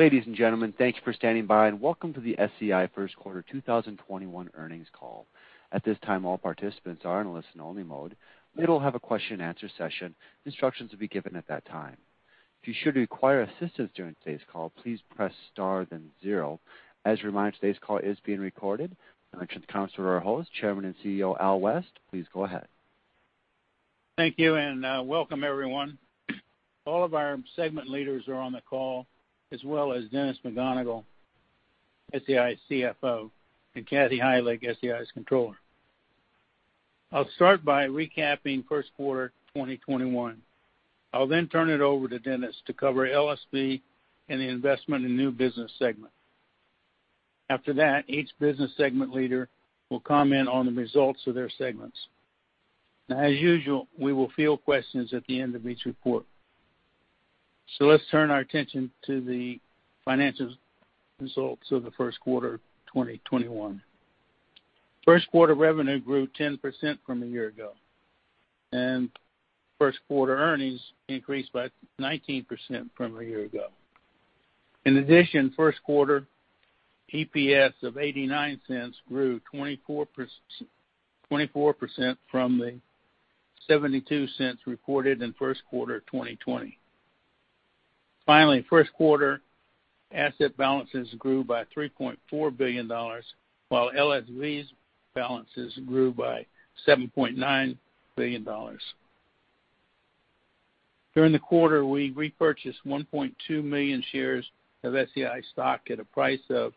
Ladies and gentlemen, thank you for standing by, and welcome to the SEI first quarter 2021 earnings call. At this time, all participants are in a listen-only mode. We will have a question-and-answer session. Instructions will be given at that time. If you should require assistance during today's call, please press star then zero. As a reminder, today's call is being recorded. I'd like to introduce the host, Chairman and CEO, Al West. Please go ahead. Thank you, and welcome everyone. All of our segment leaders are on the call, as well as Dennis McGonigle, SEI CFO, and Kathy Heilig, SEI's Controller. I'll start by recapping first quarter 2021. I'll turn it over to Dennis to cover LSV and the Investments in New Business segment. After that, each business segment leader will comment on the results of their segments. As usual, we will field questions at the end of each report. Let's turn our attention to the financial results of the first quarter 2021. First-quarter revenue grew 10% from a year ago, and first-quarter earnings increased by 19% from a year ago. In addition, first-quarter EPS of $0.89 grew 24% from the $0.72 reported in first quarter of 2020. Finally, first-quarter asset balances grew by $3.4 billion, while LSV's balances grew by $7.9 billion. During the quarter, we repurchased 1.2 million shares of SEI stock at a price of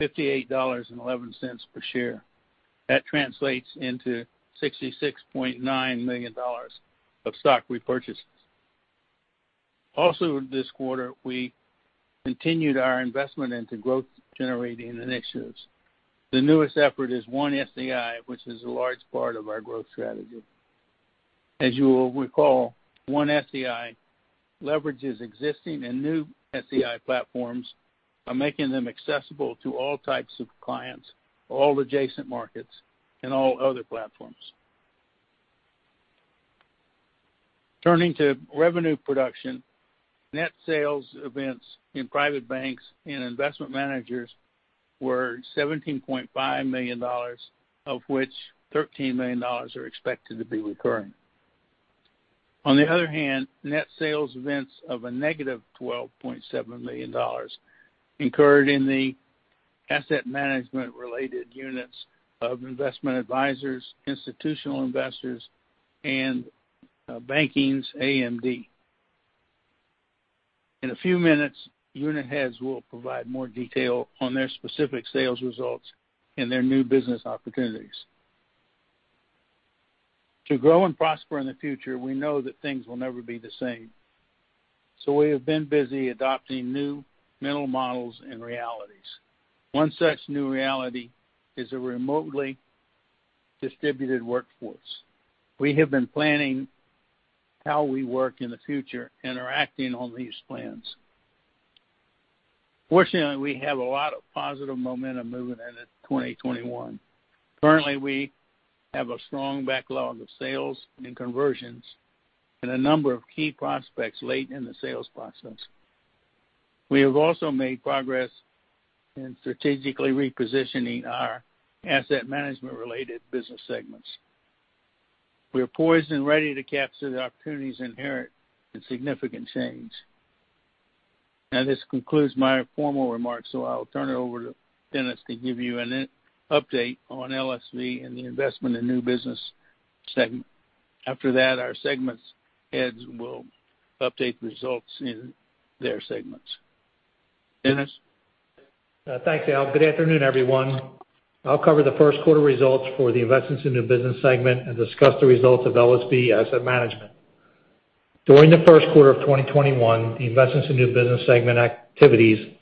$58.11 per share. That translates into $66.9 million of stock repurchases. Also in this quarter, we continued our investment into growth generating initiatives. The newest effort is One SEI, which is a large part of our growth strategy. As you will recall, One SEI leverages existing and new SEI platforms by making them accessible to all types of clients, all adjacent markets, and all other platforms. Turning to revenue production, net sales events in private banks and investment managers were $17.5 million, of which $13 million are expected to be recurring. On the other hand, net sales events of a -$12.7 million incurred in the asset management related units of investment advisors, institutional investors, and banking's AMD. In a few minutes, unit heads will provide more detail on their specific sales results and their new business opportunities. To grow and prosper in the future, we know that things will never be the same. We have been busy adopting new mental models and realities. One such new reality is a remotely distributed workforce. We have been planning how we work in the future and are acting on these plans. Fortunately, we have a lot of positive momentum moving into 2021. Currently, we have a strong backlog of sales and conversions and a number of key prospects late in the sales process. We have also made progress in strategically repositioning our asset management related business segments. We are poised and ready to capture the opportunities inherent in significant change. This concludes my formal remarks, so I'll turn it over to Dennis to give you an update on LSV and the Investments in New Business segment. After that, our segments' heads will update results in their segments. Dennis? Thanks, Al. Good afternoon, everyone. I'll cover the first quarter results for the Investments in New Business segment and discuss the results of LSV Asset Management. During the first quarter of 2021, the Investments in New Business segment activities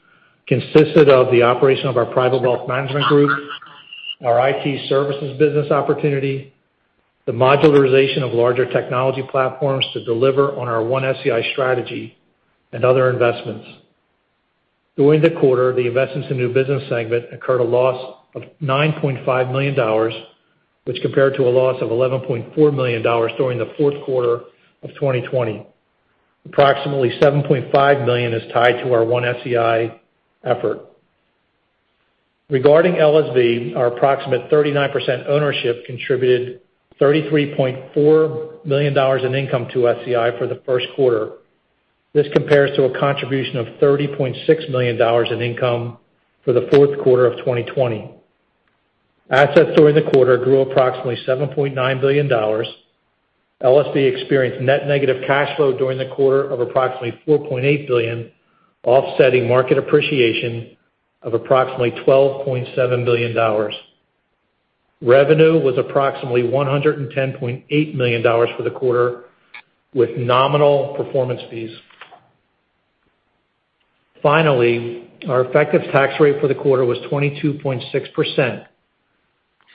consisted of the operation of our Private Wealth Management group, our IT services business opportunity, the modularization of larger technology platforms to deliver on our One SEI strategy, and other investments. During the quarter, the Investments in New Business segment incurred a loss of $9.5 million, which compared to a loss of $11.4 million during the fourth quarter of 2020. Approximately $7.5 million is tied to our One SEI effort. Regarding LSV, our approximate 39% ownership contributed $33.4 million in income to SEI for the first quarter. This compares to a contribution of $30.6 million in income for the fourth quarter of 2020. Assets during the quarter grew approximately $7.9 billion. LSV experienced net negative cash flow during the quarter of approximately $4.8 billion, offsetting market appreciation of approximately $12.7 billion. Revenue was approximately $110.8 million for the quarter with nominal performance fees. Our effective tax rate for the quarter was 22.6%.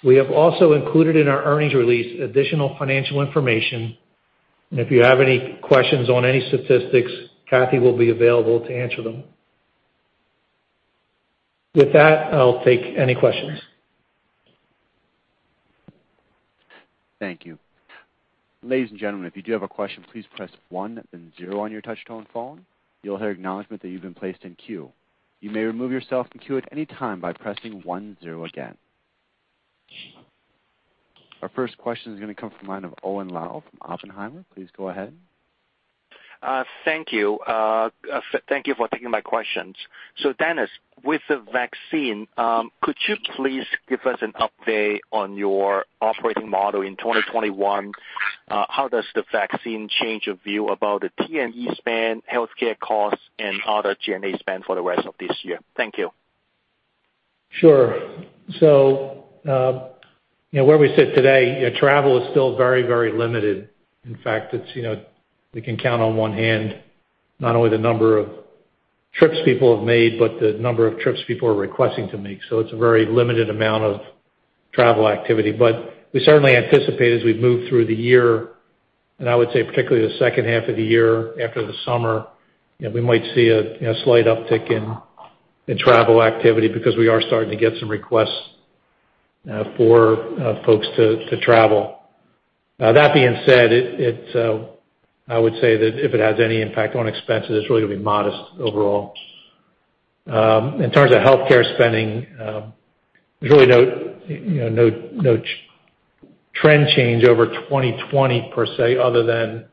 We have also included in our earnings release additional financial information, and if you have any questions on any statistics, Kathy will be available to answer them. With that, I'll take any questions. Thank you. Ladies and gentlemen, if you do have a question, please press one and zero on your touch-tone phone. You'll hear acknowledgement that you've placed in queue. You may remove yourself from the queue anytime by pressing one and zero again. Thank you. Thank you for taking my questions. Dennis, with the vaccine, could you please give us an update on your operating model in 2021? How does the vaccine change your view about the T&E spend, healthcare costs, and other G&A spend for the rest of this year? Thank you. Sure. Where we sit today, travel is still very, very limited. In fact, we can count on one hand not only the number of trips people have made, but the number of trips people are requesting to make. It's a very limited amount of travel activity. We certainly anticipate, as we move through the year, and I would say particularly the second half of the year after the summer, we might see a slight uptick in travel activity because we are starting to get some requests for folks to travel. That being said, I would say that if it has any impact on expenses, it's really going to be modest overall. In terms of healthcare spending, there's really no trend change over 2020 per se, other than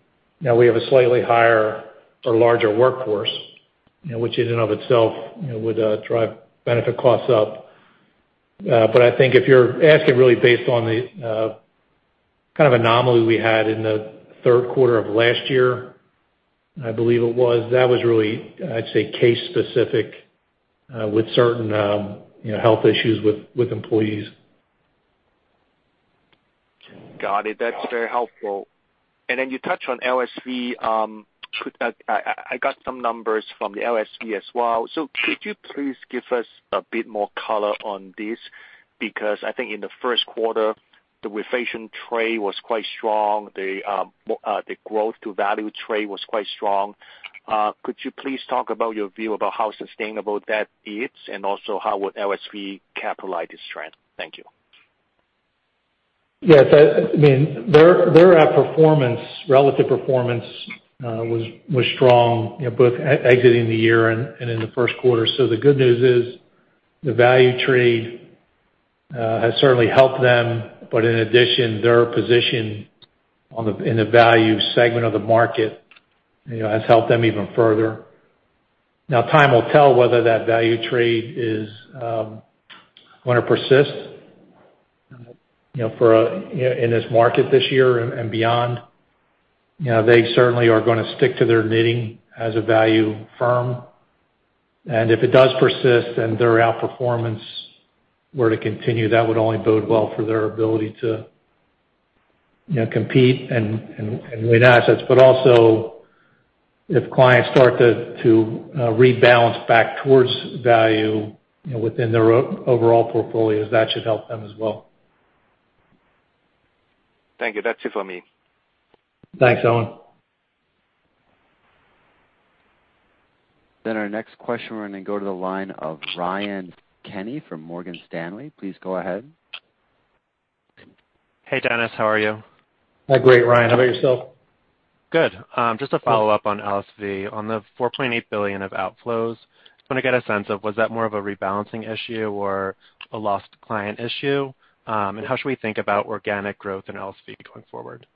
we have a slightly higher or larger workforce, which in and of itself would drive benefit costs up. I think if you're asking really based on the kind of anomaly we had in the third quarter of last year, I believe it was, that was really, I'd say, case specific with certain health issues with employees. Got it. That's very helpful. Then you touched on LSV. I got some numbers from the LSV as well. Could you please give us a bit more color on this? I think in the first quarter, the reflation trade was quite strong. The growth-to-value trade was quite strong. Could you please talk about your view about how sustainable that is, and also how would LSV capitalize this trend? Thank you. Yes. Their outperformance, relative performance, was strong both exiting the year and in the first quarter. The good news is the value trade has certainly helped them. In addition, their position in the value segment of the market has helped them even further. Now, time will tell whether that value trade is going to persist in this market this year and beyond. They certainly are going to stick to their knitting as a value firm. If it does persist and their outperformance were to continue, that would only bode well for their ability to compete and win assets. Also, if clients start to rebalance back towards value within their overall portfolios, that should help them as well. Thank you. That's it for me. Thanks, Owen. Our next question, we're going to go to the line of Ryan Kenny from Morgan Stanley. Please go ahead. Hey, Dennis. How are you? Great, Ryan. How about yourself? Good. Just a follow-up on LSV. On the $4.8 billion of outflows, just want to get a sense of, was that more of a rebalancing issue or a lost client issue? How should we think about organic growth in LSV going forward?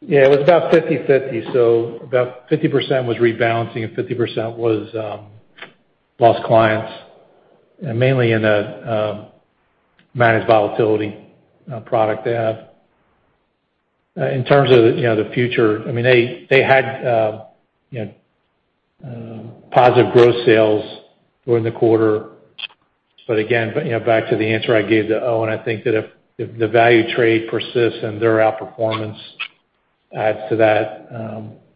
Yeah, it was about 50/50. About 50% was rebalancing, and 50% was lost clients, mainly in a managed volatility product they have. In terms of the future, they had positive gross sales during the quarter. Again, back to the answer I gave to Owen, I think that if the value trade persists and their outperformance adds to that,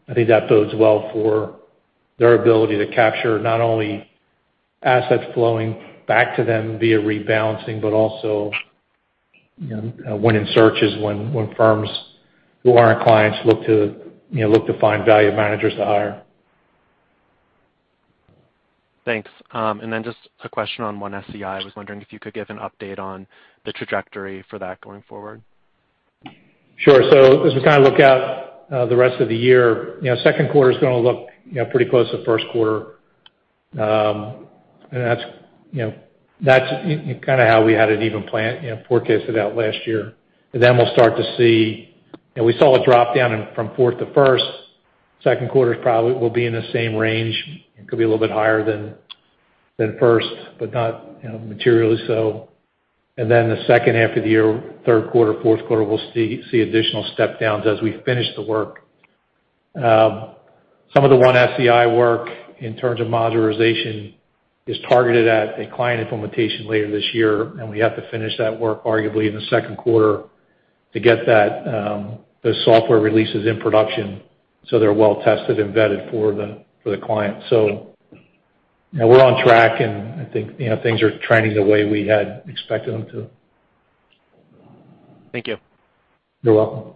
I think that bodes well for their ability to capture not only assets flowing back to them via rebalancing, but also winning searches when firms who aren't clients look to find value managers to hire. Thanks. Just a question on One SEI. I was wondering if you could give an update on the trajectory for that going forward? Sure. As we kind of look out the rest of the year, second quarter is going to look pretty close to first quarter. That's kind of how we had it even forecasted out last year. Then we saw a drop-down from fourth to first. Second quarter probably will be in the same range. It could be a little bit higher than first, but not materially so. Then the second half of the year, third quarter, fourth quarter, we'll see additional step-downs as we finish the work. Some of the One SEI work in terms of modularization is targeted at a client implementation later this year, and we have to finish that work arguably in the second quarter to get those software releases in production so they're well tested and vetted for the client. We're on track, and I think things are trending the way we had expected them to. Thank you. You're welcome.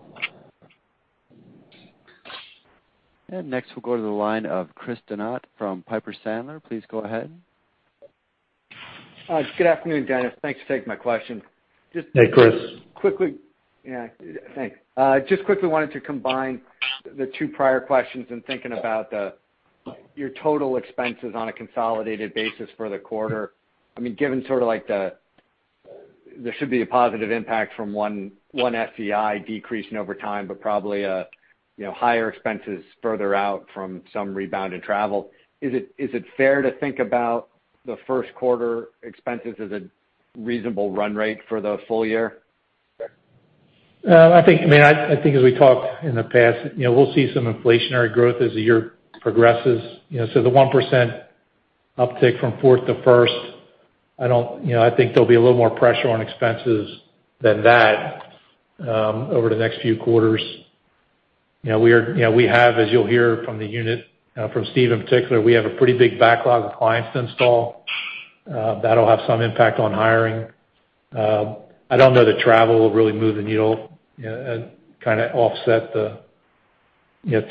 Next we'll go to the line of Chris Donat from Piper Sandler. Please go ahead. Good afternoon, Dennis. Thanks for taking my question. Hey, Chris. Yeah. Thanks. Just quickly wanted to combine the two prior questions in thinking about your total expenses on a consolidated basis for the quarter. Given there should be a positive impact from One SEI decreasing over time, but probably higher expenses further out from some rebounded travel. Is it fair to think about the first quarter expenses as a reasonable run rate for the full year? The 1% uptick from fourth to first, I think there'll be a little more pressure on expenses than that, over the next few quarters. We have, as you'll hear from the unit, from Steve in particular, we have a pretty big backlog of clients to install. That'll have some impact on hiring. I don't know that travel will really move the needle and kind of offset the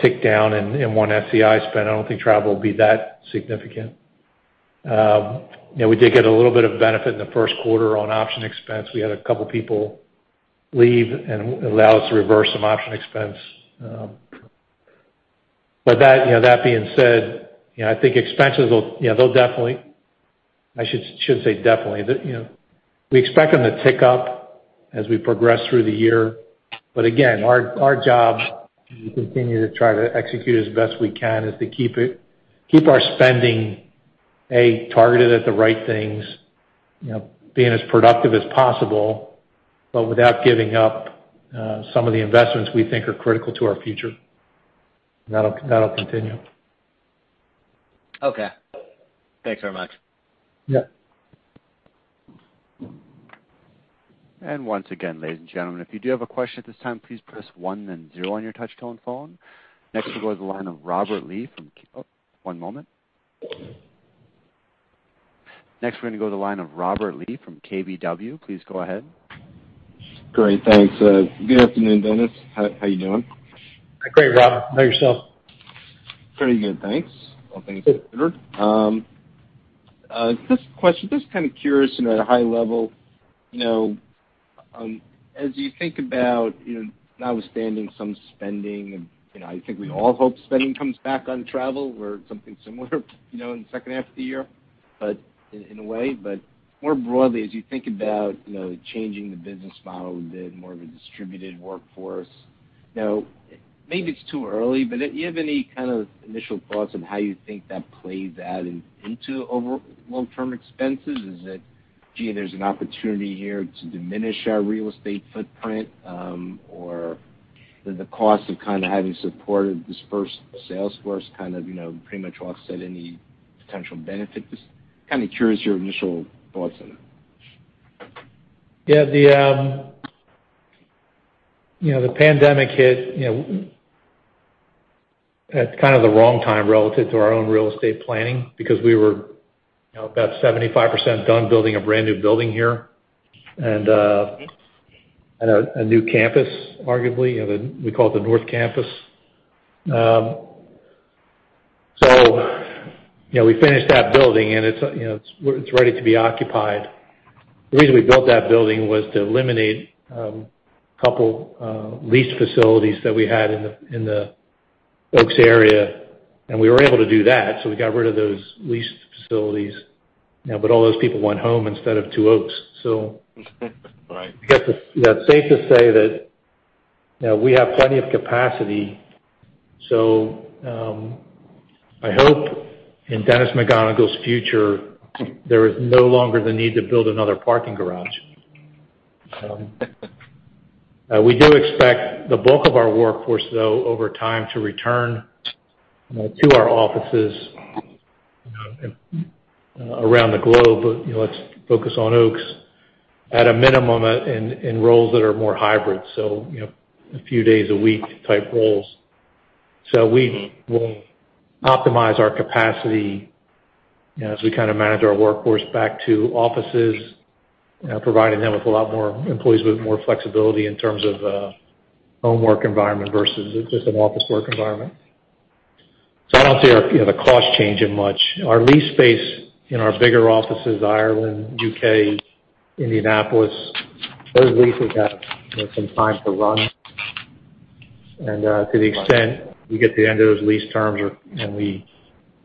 tick down in One SEI spend. I don't think travel will be that significant. We did get a little bit of benefit in the first quarter on option expense. We had a couple people leave and allow us to reverse some option expense. That being said, I think expenses, I shouldn't say definitely. We expect them to tick up as we progress through the year. Again, our job to continue to try to execute as best we can is to keep our spending targeted at the right things, being as productive as possible, but without giving up some of the investments we think are critical to our future. That'll continue. Okay. Thanks very much. Yeah. We're going to go to the line of Robert Lee from KBW. Please go ahead. Great. Thanks. Good afternoon, Dennis. How you doing? Great, Rob. How about yourself? Pretty good, thanks. All things considered. Just a question. Just kind of curious at a high level, as you think about notwithstanding some spending, and I think we all hope spending comes back on travel or something similar in the second half of the year, in a way. More broadly, as you think about changing the business model a bit, more of a distributed workforce. Maybe it's too early, but you have any kind of initial thoughts on how you think that plays out into over long-term expenses? Is it, Gee, there's an opportunity here to diminish our real estate footprint, or the cost of kind of having supported dispersed sales force kind of pretty much offset any potential benefit? Just kind of curious your initial thoughts on that. Yeah, the pandemic hit at kind of the wrong time relative to our own real estate planning because we were about 75% done building a brand-new building here, and a new campus, arguably. We call it the North Campus. We finished that building and it's ready to be occupied. The reason we built that building was to eliminate a couple leased facilities that we had in the Oaks area, and we were able to do that. We got rid of those leased facilities. All those people went home instead of to Oaks. Right. It's safe to say that we have plenty of capacity. I hope in Dennis McGonigle's future, there is no longer the need to build another parking garage. We do expect the bulk of our workforce, though, over time, to return to our offices around the globe. Let's focus on Oaks at a minimum in roles that are more hybrid, a few days a week type roles. We will optimize our capacity as we manage our workforce back to offices, providing them with a lot more employees with more flexibility in terms of a home work environment versus just an office work environment. I don't see the cost changing much. Our lease space in our bigger offices, Ireland, U.K., Indianapolis, those leases have some time to run. To the extent we get to the end of those lease terms and we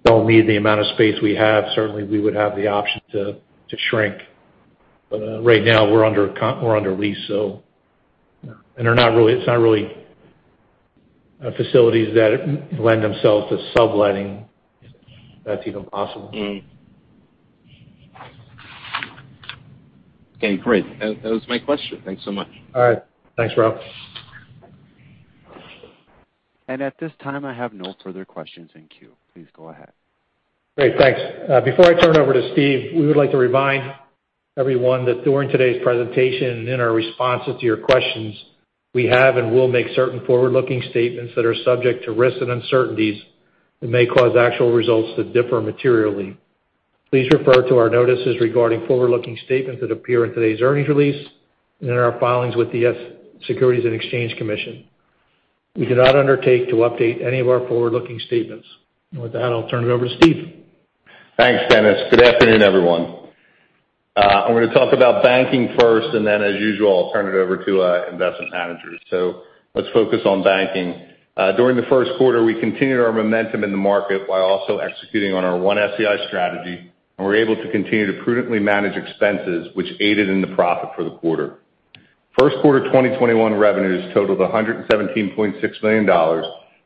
don't need the amount of space we have, certainly we would have the option to shrink. Right now we're under lease. It's not really facilities that lend themselves to subletting, if that's even possible. Okay, great. That was my question. Thanks so much. All right. Thanks, Rob. At this time, I have no further questions in queue. Please go ahead. Great. Thanks. Before I turn it over to Steve, we would like to remind everyone that during today's presentation and in our responses to your questions, we have and will make certain forward-looking statements that are subject to risks and uncertainties that may cause actual results to differ materially. Please refer to our notices regarding forward-looking statements that appear in today's earnings release and in our filings with the Securities and Exchange Commission. We do not undertake to update any of our forward-looking statements. With that, I'll turn it over to Steve. Thanks, Dennis. Good afternoon, everyone. I'm going to talk about banking first, and then as usual, I'll turn it over to our investment managers. Let's focus on banking. During the first quarter, we continued our momentum in the market while also executing on our One SEI strategy, and we were able to continue to prudently manage expenses, which aided in the profit for the quarter. First quarter 2021 revenues totaled $117.6 million,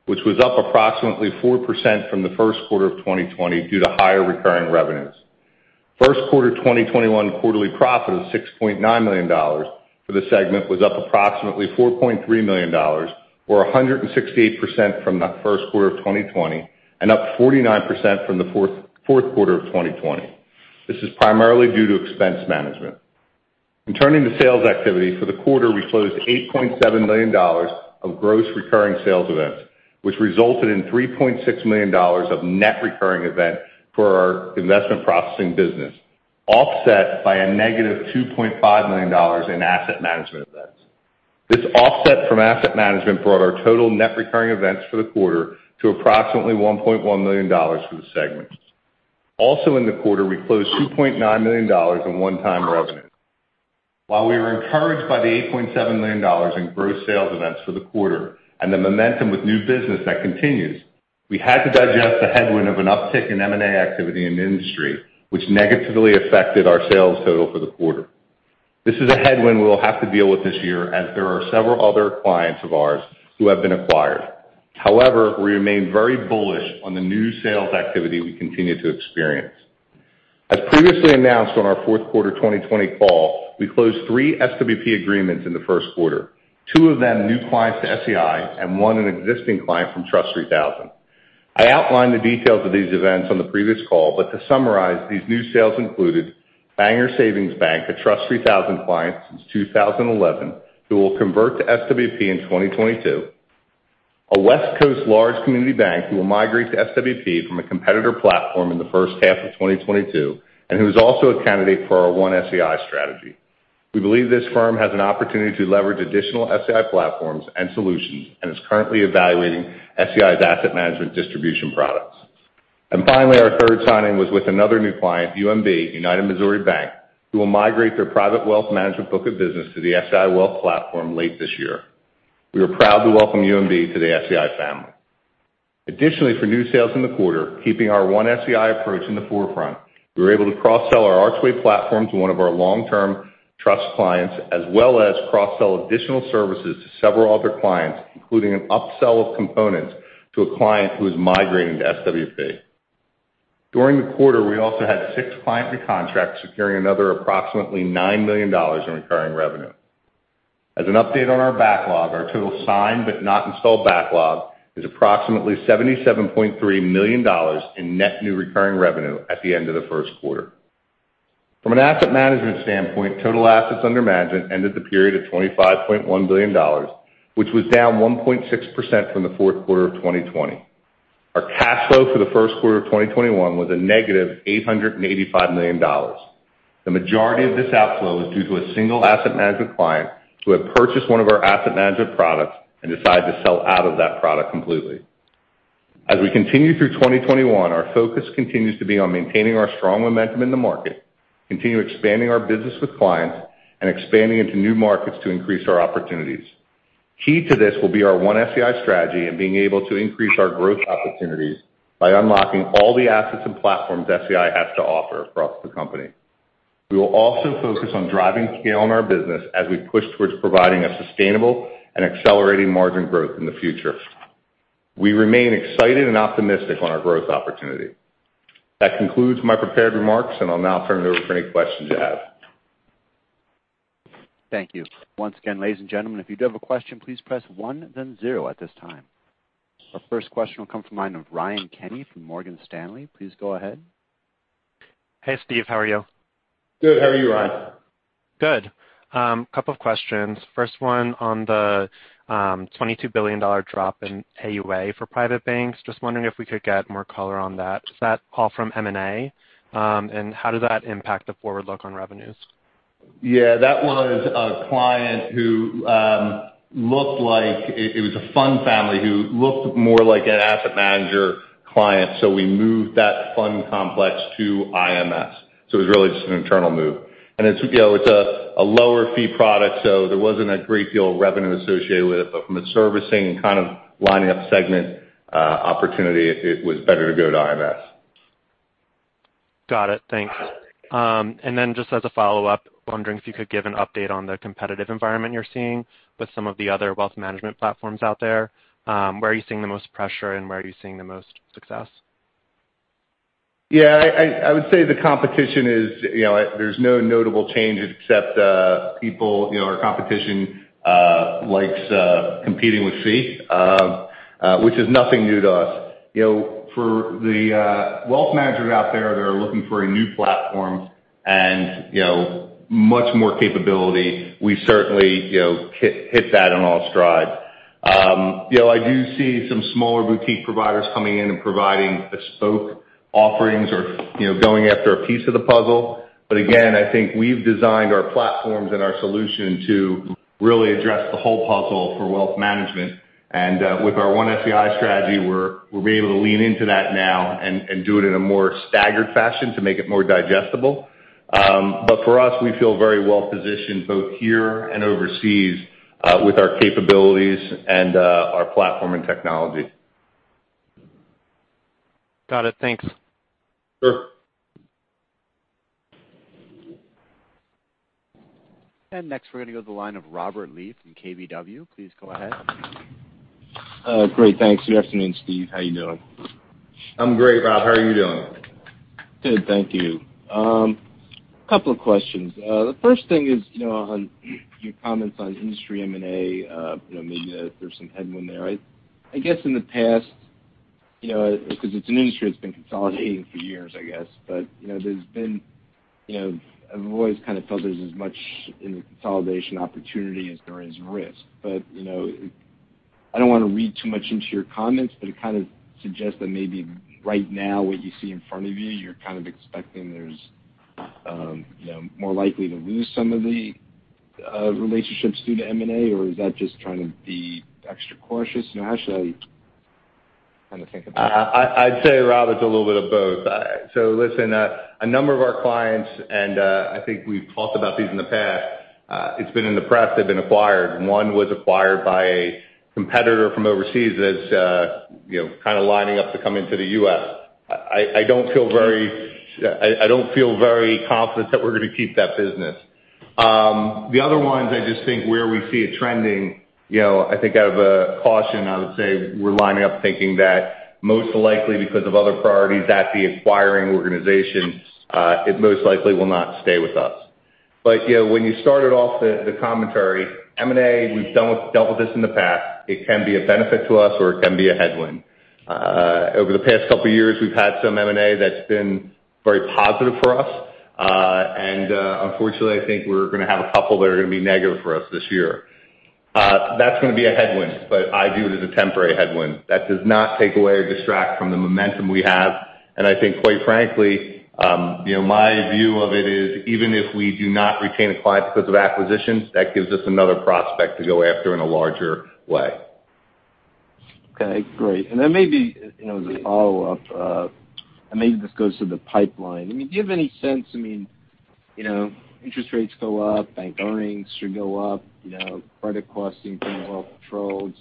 which was up approximately 4% from the first quarter of 2020 due to higher recurring revenues. First quarter 2021 quarterly profit of $6.9 million for the segment was up approximately $4.3 million, or 168% from the first quarter of 2020 and up 49% from the fourth quarter of 2020. This is primarily due to expense management. Turning to sales activity, for the quarter, we closed $8.7 million of gross recurring sales events, which resulted in $3.6 million of net recurring events for our investment processing business, offset by a negative $2.5 million in asset management events. This offset from asset management brought our total net recurring events for the quarter to approximately $1.1 million for the segment. Also in the quarter, we closed $2.9 million in one-time revenue. While we were encouraged by the $8.7 million in gross sales events for the quarter and the momentum with new business that continues, we had to digest the headwind of an uptick in M&A activity in the industry, which negatively affected our sales total for the quarter. This is a headwind we'll have to deal with this year as there are several other clients of ours who have been acquired. However, we remain very bullish on the new sales activity we continue to experience. As previously announced on our fourth quarter 2020 call, we closed three SWP agreements in the first quarter, two of them new clients to SEI and one an existing client from TRUST 3000. I outlined the details of these events on the previous call, but to summarize, these new sales included Bangor Savings Bank, a TRUST 3000 client since 2011, who will convert to SWP in 2022, a West Coast large community bank who will migrate to SWP from a competitor platform in the first half of 2022 and who's also a candidate for our One SEI strategy. We believe this firm has an opportunity to leverage additional SEI platforms and solutions and is currently evaluating SEI's asset management distribution products. Finally, our third signing was with another new client, UMB, United Missouri Bank, who will migrate their private wealth management book of business to the SEI Wealth Platform late this year. We are proud to welcome UMB to the SEI family. Additionally, for new sales in the quarter, keeping our One SEI approach in the forefront, we were able to cross-sell our Archway Platform to one of our long-term trust clients as well as cross-sell additional services to several other clients, including an upsell of components to a client who is migrating to SWP. During the quarter, we also had six client recontracts securing another approximately $9 million in recurring revenue. As an update on our backlog, our total signed but not installed backlog is approximately $77.3 million in net new recurring revenue at the end of the first quarter. From an asset management standpoint, total assets under management ended the period at $25.1 billion, which was down 1.6% from the fourth quarter of 2020. Our cash flow for the first quarter of 2021 was a negative $885 million. The majority of this outflow is due to a single asset management client who had purchased one of our asset management products and decided to sell out of that product completely. As we continue through 2021, our focus continues to be on maintaining our strong momentum in the market, continue expanding our business with clients, and expanding into new markets to increase our opportunities. Key to this will be our One SEI strategy and being able to increase our growth opportunities by unlocking all the assets and platforms SEI has to offer across the company. We will also focus on driving scale in our business as we push towards providing a sustainable and accelerating margin growth in the future. We remain excited and optimistic on our growth opportunity. That concludes my prepared remarks, and I'll now turn it over for any questions you have. Thank you. Once again, ladies and gentlemen. Our first question will come from the line of Ryan Kenny from Morgan Stanley. Please go ahead. Hey, Steve. How are you? Good. How are you, Ryan? Good. Couple of questions. First one on the $22 billion drop in AUA for Private Banks. Just wondering if we could get more color on that. Is that all from M&A? How did that impact the forward look on revenues? Yeah. That was a client, it was a fund family who looked more like an asset manager client. We moved that fund complex to IMS. It was really just an internal move. It's a lower fee product, so there wasn't a great deal of revenue associated with it. From a servicing and kind of lining up segment opportunity, it was better to go to IMS. Got it. Thanks. Just as a follow-up, wondering if you could give an update on the competitive environment you're seeing with some of the other wealth management platforms out there. Where are you seeing the most pressure, and where are you seeing the most success? Yeah, I would say the competition is there's no notable change except our competition likes competing with fee, which is nothing new to us. For the wealth managers out there that are looking for a new platform and much more capability, we certainly hit that in all strides. I do see some smaller boutique providers coming in and providing bespoke offerings or going after a piece of the puzzle. Again, I think we've designed our platforms and our solution to really address the whole puzzle for wealth management. With our One SEI strategy, we'll be able to lean into that now and do it in a more staggered fashion to make it more digestible. For us, we feel very well-positioned both here and overseas with our capabilities and our platform and technology. Got it. Thanks. Sure. Next we're going to go to the line of Robert Lee from KBW. Please go ahead. Great. Thanks. Good afternoon, Steve. How you doing? I'm great, Rob. How are you doing? Good, thank you. Couple of questions. The first thing is on your comments on industry M&A, maybe there's some headwind there. I guess in the past, because it's an industry that's been consolidating for years, I guess. I've always kind of felt there's as much in the consolidation opportunity as there is risk. I don't want to read too much into your comments, but it kind of suggests that maybe right now what you see in front of you're kind of expecting there's more likely to lose some of the relationships due to M&A, or is that just trying to be extra cautious? How should I kind of think about that? I'd say, Rob, it's a little bit of both. Listen, a number of our clients, and I think we've talked about these in the past, it's been in the press, they've been acquired. One was acquired by a competitor from overseas that's kind of lining up to come into the U.S. I don't feel very confident that we're going to keep that business. The other ones, I just think where we see it trending, I think out of caution, I would say we're lining up thinking that most likely because of other priorities at the acquiring organization, it most likely will not stay with us. When you started off the commentary, M&A, we've dealt with this in the past. It can be a benefit to us, or it can be a headwind. Over the past couple of years, we've had some M&A that's been very positive for us. Unfortunately, I think we're going to have a couple that are going to be negative for us this year. That's going to be a headwind, but I view it as a temporary headwind. That does not take away or distract from the momentum we have. I think, quite frankly, my view of it is even if we do not retain a client because of acquisitions, that gives us another prospect to go after in a larger way. Okay, great. Maybe as a follow-up, and maybe this goes to the pipeline. Do you have any sense, interest rates go up, bank earnings should go up, credit costs seem to be well controlled?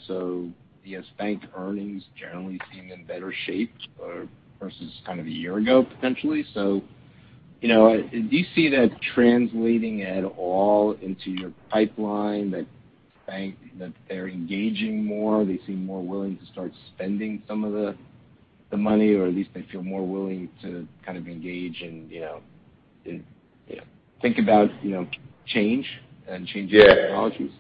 Yes, bank earnings generally seem in better shape versus kind of a year ago, potentially. Do you see that translating at all into your pipeline that banks, that they're engaging more, they seem more willing to start spending some of the money, or at least they feel more willing to kind of engage and think about change and change their technologies?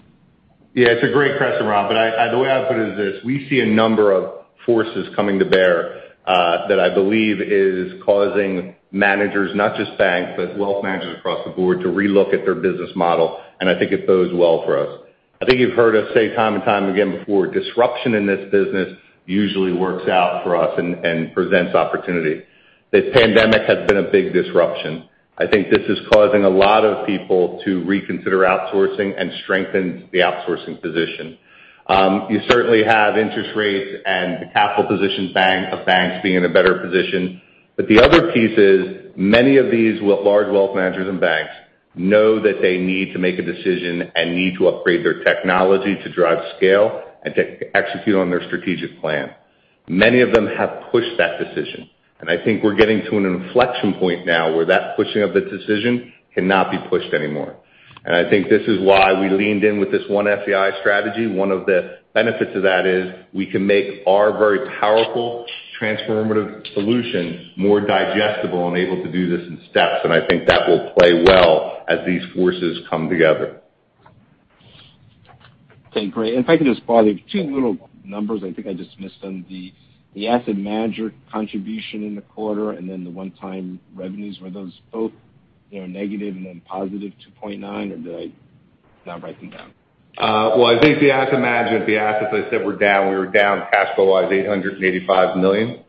Yeah, it's a great question, Rob, but the way I put it is this. We see a number of forces coming to bear, that I believe is causing managers, not just banks, but wealth managers across the board to relook at their business model, and I think it bodes well for us. I think you've heard us say time and time again before, disruption in this business usually works out for us and presents opportunity. This pandemic has been a big disruption. I think this is causing a lot of people to reconsider outsourcing and strengthen the outsourcing position. You certainly have interest rates and the capital position of banks being in a better position. The other piece is many of these large wealth managers and banks know that they need to make a decision and need to upgrade their technology to drive scale and to execute on their strategic plan. Many of them have pushed that decision, and I think we're getting to an inflection point now where that pushing of the decision cannot be pushed anymore. I think this is why we leaned in with this One SEI strategy. One of the benefits of that is we can make our very powerful transformative solutions more digestible and able to do this in steps. I think that will play well as these forces come together. Okay, great. If I could just follow, there's two little numbers. I think I just missed them. The asset manager contribution in the quarter, and then the one-time revenues. Were those both negative and then positive $2.9 million, or did I not write them down? Well, I think the asset management, the assets I said were down. We were down cash-flow-wise $885 million.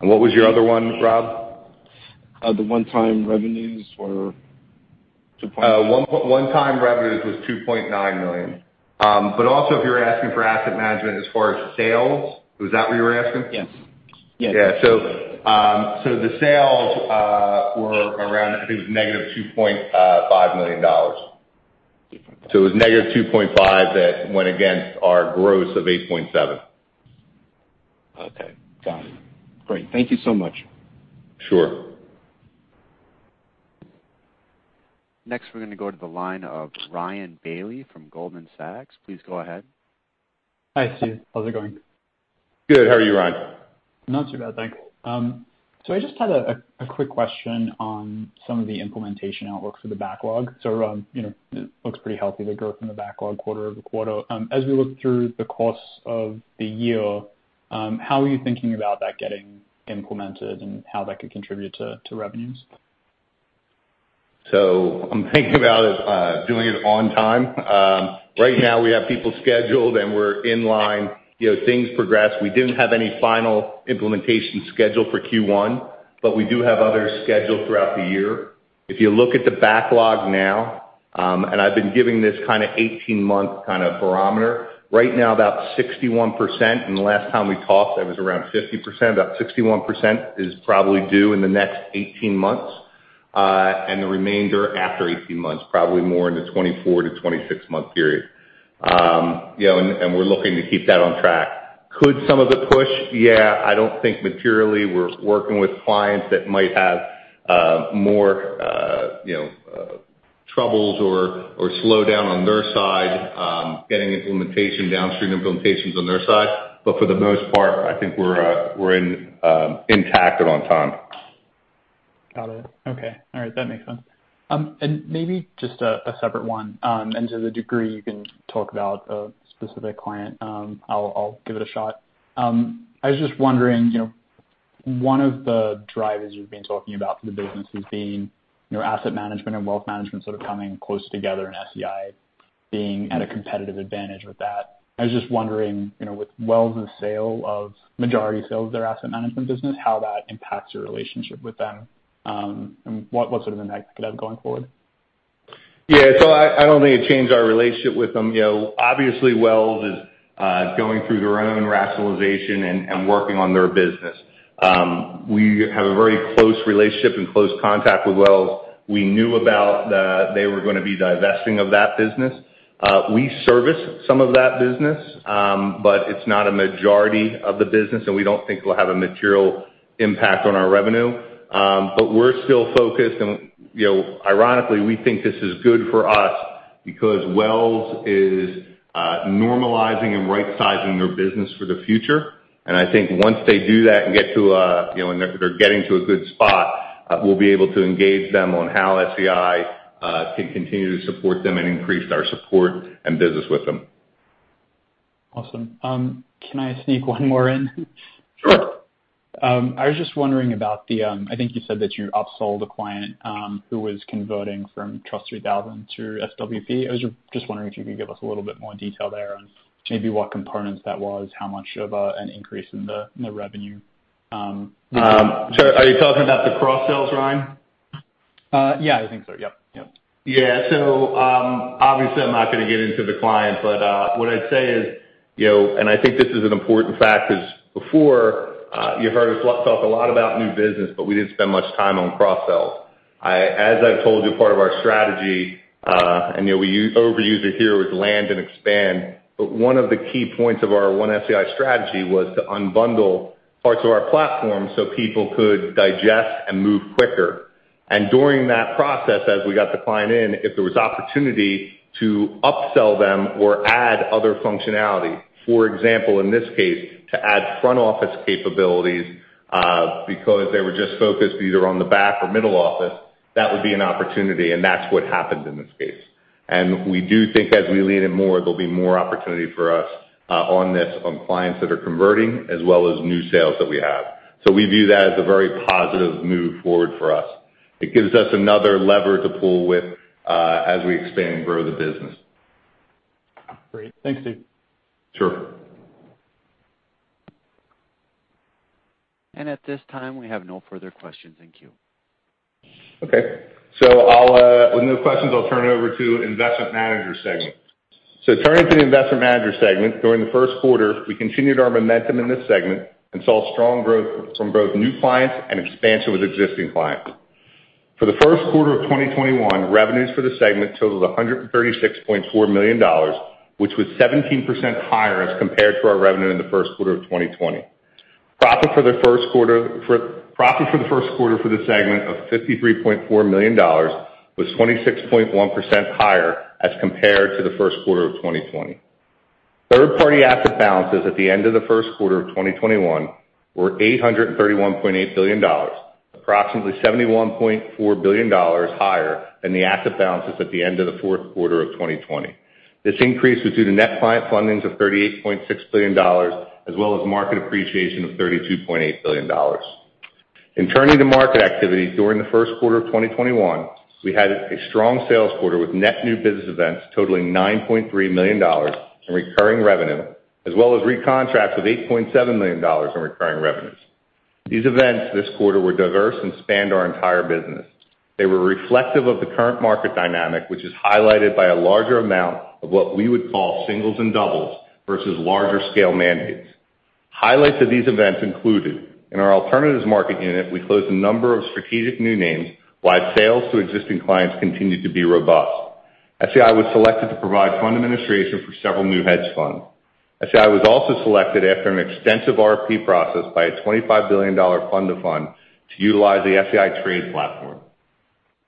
What was your other one, Rob? The one-time revenues for. One-time revenues was $2.9 million. Also, if you're asking for asset management as far as sales, was that what you were asking? Yes. Yeah. The sales were around, I think it was -$2.5 million. It was -$2.5 million that went against our gross of $8.7 million. Okay. Got it. Great. Thank you so much. Sure. Next, we're going to go to the line of Ryan Bailey from Goldman Sachs. Please go ahead. Hi, Steve. How's it going? Good. How are you, Ryan? Not too bad, thanks. I just had a quick question on some of the implementation outlook for the backlog. It looks pretty healthy, the growth in the backlog quarter-over-quarter. As we look through the course of the year, how are you thinking about that getting implemented and how that could contribute to revenues? I'm thinking about it, doing it on time. Right now we have people scheduled, and we're in line. Things progress. We didn't have any final implementation schedule for Q1, but we do have others scheduled throughout the year. If you look at the backlog now, and I've been giving this kind of 18-month kind of barometer. Right now about 61%, and the last time we talked that was around 50%, about 61% is probably due in the next 18 months. The remainder after 18 months, probably more in the 24 to 26-month period. We're looking to keep that on track. Could some of it push? Yeah, I don't think materially we're working with clients that might have more troubles or slow down on their side, getting implementation, downstream implementations on their side. For the most part, I think we're intact and on time. Got it. Okay. All right, that makes sense. Maybe just a separate one, to the degree you can talk about a specific client, I'll give it a shot. I was just wondering, one of the drivers you've been talking about for the business has been asset management and wealth management sort of coming closer together and SEI being at a competitive advantage with that. I was just wondering, with Wells' majority sale of their Asset Management business, how that impacts your relationship with them. What sort of an impact could have going forward? Yeah. I don't think it changed our relationship with them. Obviously Wells is going through their own rationalization and working on their business. We have a very close relationship and close contact with Wells. We knew about that they were going to be divesting of that business. We service some of that business, but it's not a majority of the business, and we don't think it will have a material impact on our revenue. We're still focused and, ironically, we think this is good for us because Wells is normalizing and right-sizing their business for the future. I think once they do that and they're getting to a good spot, we'll be able to engage them on how SEI can continue to support them and increase our support and business with them. Awesome. Can I sneak one more in? Sure. I was just wondering about the, I think you said that you upsold a client, who was converting from TRUST 3000 to SWP. I was just wondering if you could give us a little bit more detail there on maybe what components that was, how much of an increase in the revenue. Sorry, are you talking about the cross-sales, Ryan? Yeah, I think so. Yep. Yeah. Obviously I'm not going to get into the client, but what I'd say is, and I think this is an important fact, because before, you heard us talk a lot about new business, but we didn't spend much time on cross-sales. As I've told you, part of our strategy, and we over-use it here with land and expand, but one of the key points of our One SEI strategy was to unbundle parts of our platform so people could digest and move quicker. During that process, as we got the client in, if there was opportunity to upsell them or add other functionality. For example, in this case, to add front office capabilities, because they were just focused either on the back or middle office, that would be an opportunity, and that's what happened in this case. We do think as we lean in more, there'll be more opportunity for us on this, on clients that are converting, as well as new sales that we have. We view that as a very positive move forward for us. It gives us another lever to pull with, as we expand and grow the business. Great. Thanks, Steve. Sure. At this time, we have no further questions in queue. Okay. With no questions, I'll turn it over to Investment Managers segment. Turning to the Investment Managers segment, during the first quarter, we continued our momentum in this segment and saw strong growth from both new clients and expansion with existing clients. For the first quarter of 2021, revenues for the segment totaled $136.4 million, which was 17% higher as compared to our revenue in the first quarter of 2020. Profit for the first quarter for this segment of $53.4 million was 26.1% higher as compared to the first quarter of 2020. Third-party asset balances at the end of the first quarter of 2021 were $831.8 billion, approximately $71.4 billion higher than the asset balances at the end of the fourth quarter of 2020. This increase was due to net client fundings of $38.6 billion, as well as market appreciation of $32.8 billion. In turning to market activity, during the first quarter of 2021, we had a strong sales quarter with net new business events totaling $9.3 million in recurring revenue, as well as recontracts with $8.7 million in recurring revenues. These events this quarter were diverse and spanned our entire business. They were reflective of the current market dynamic, which is highlighted by a larger amount of what we would call singles and doubles versus larger scale mandates. Highlights of these events included, in our alternatives market unit, we closed a number of strategic new names while sales to existing clients continued to be robust. SEI was selected to provide fund administration for several new hedge funds. SEI was also selected after an extensive RFP process by a $25 billion fund-to-fund to utilize the SEI Trade platform.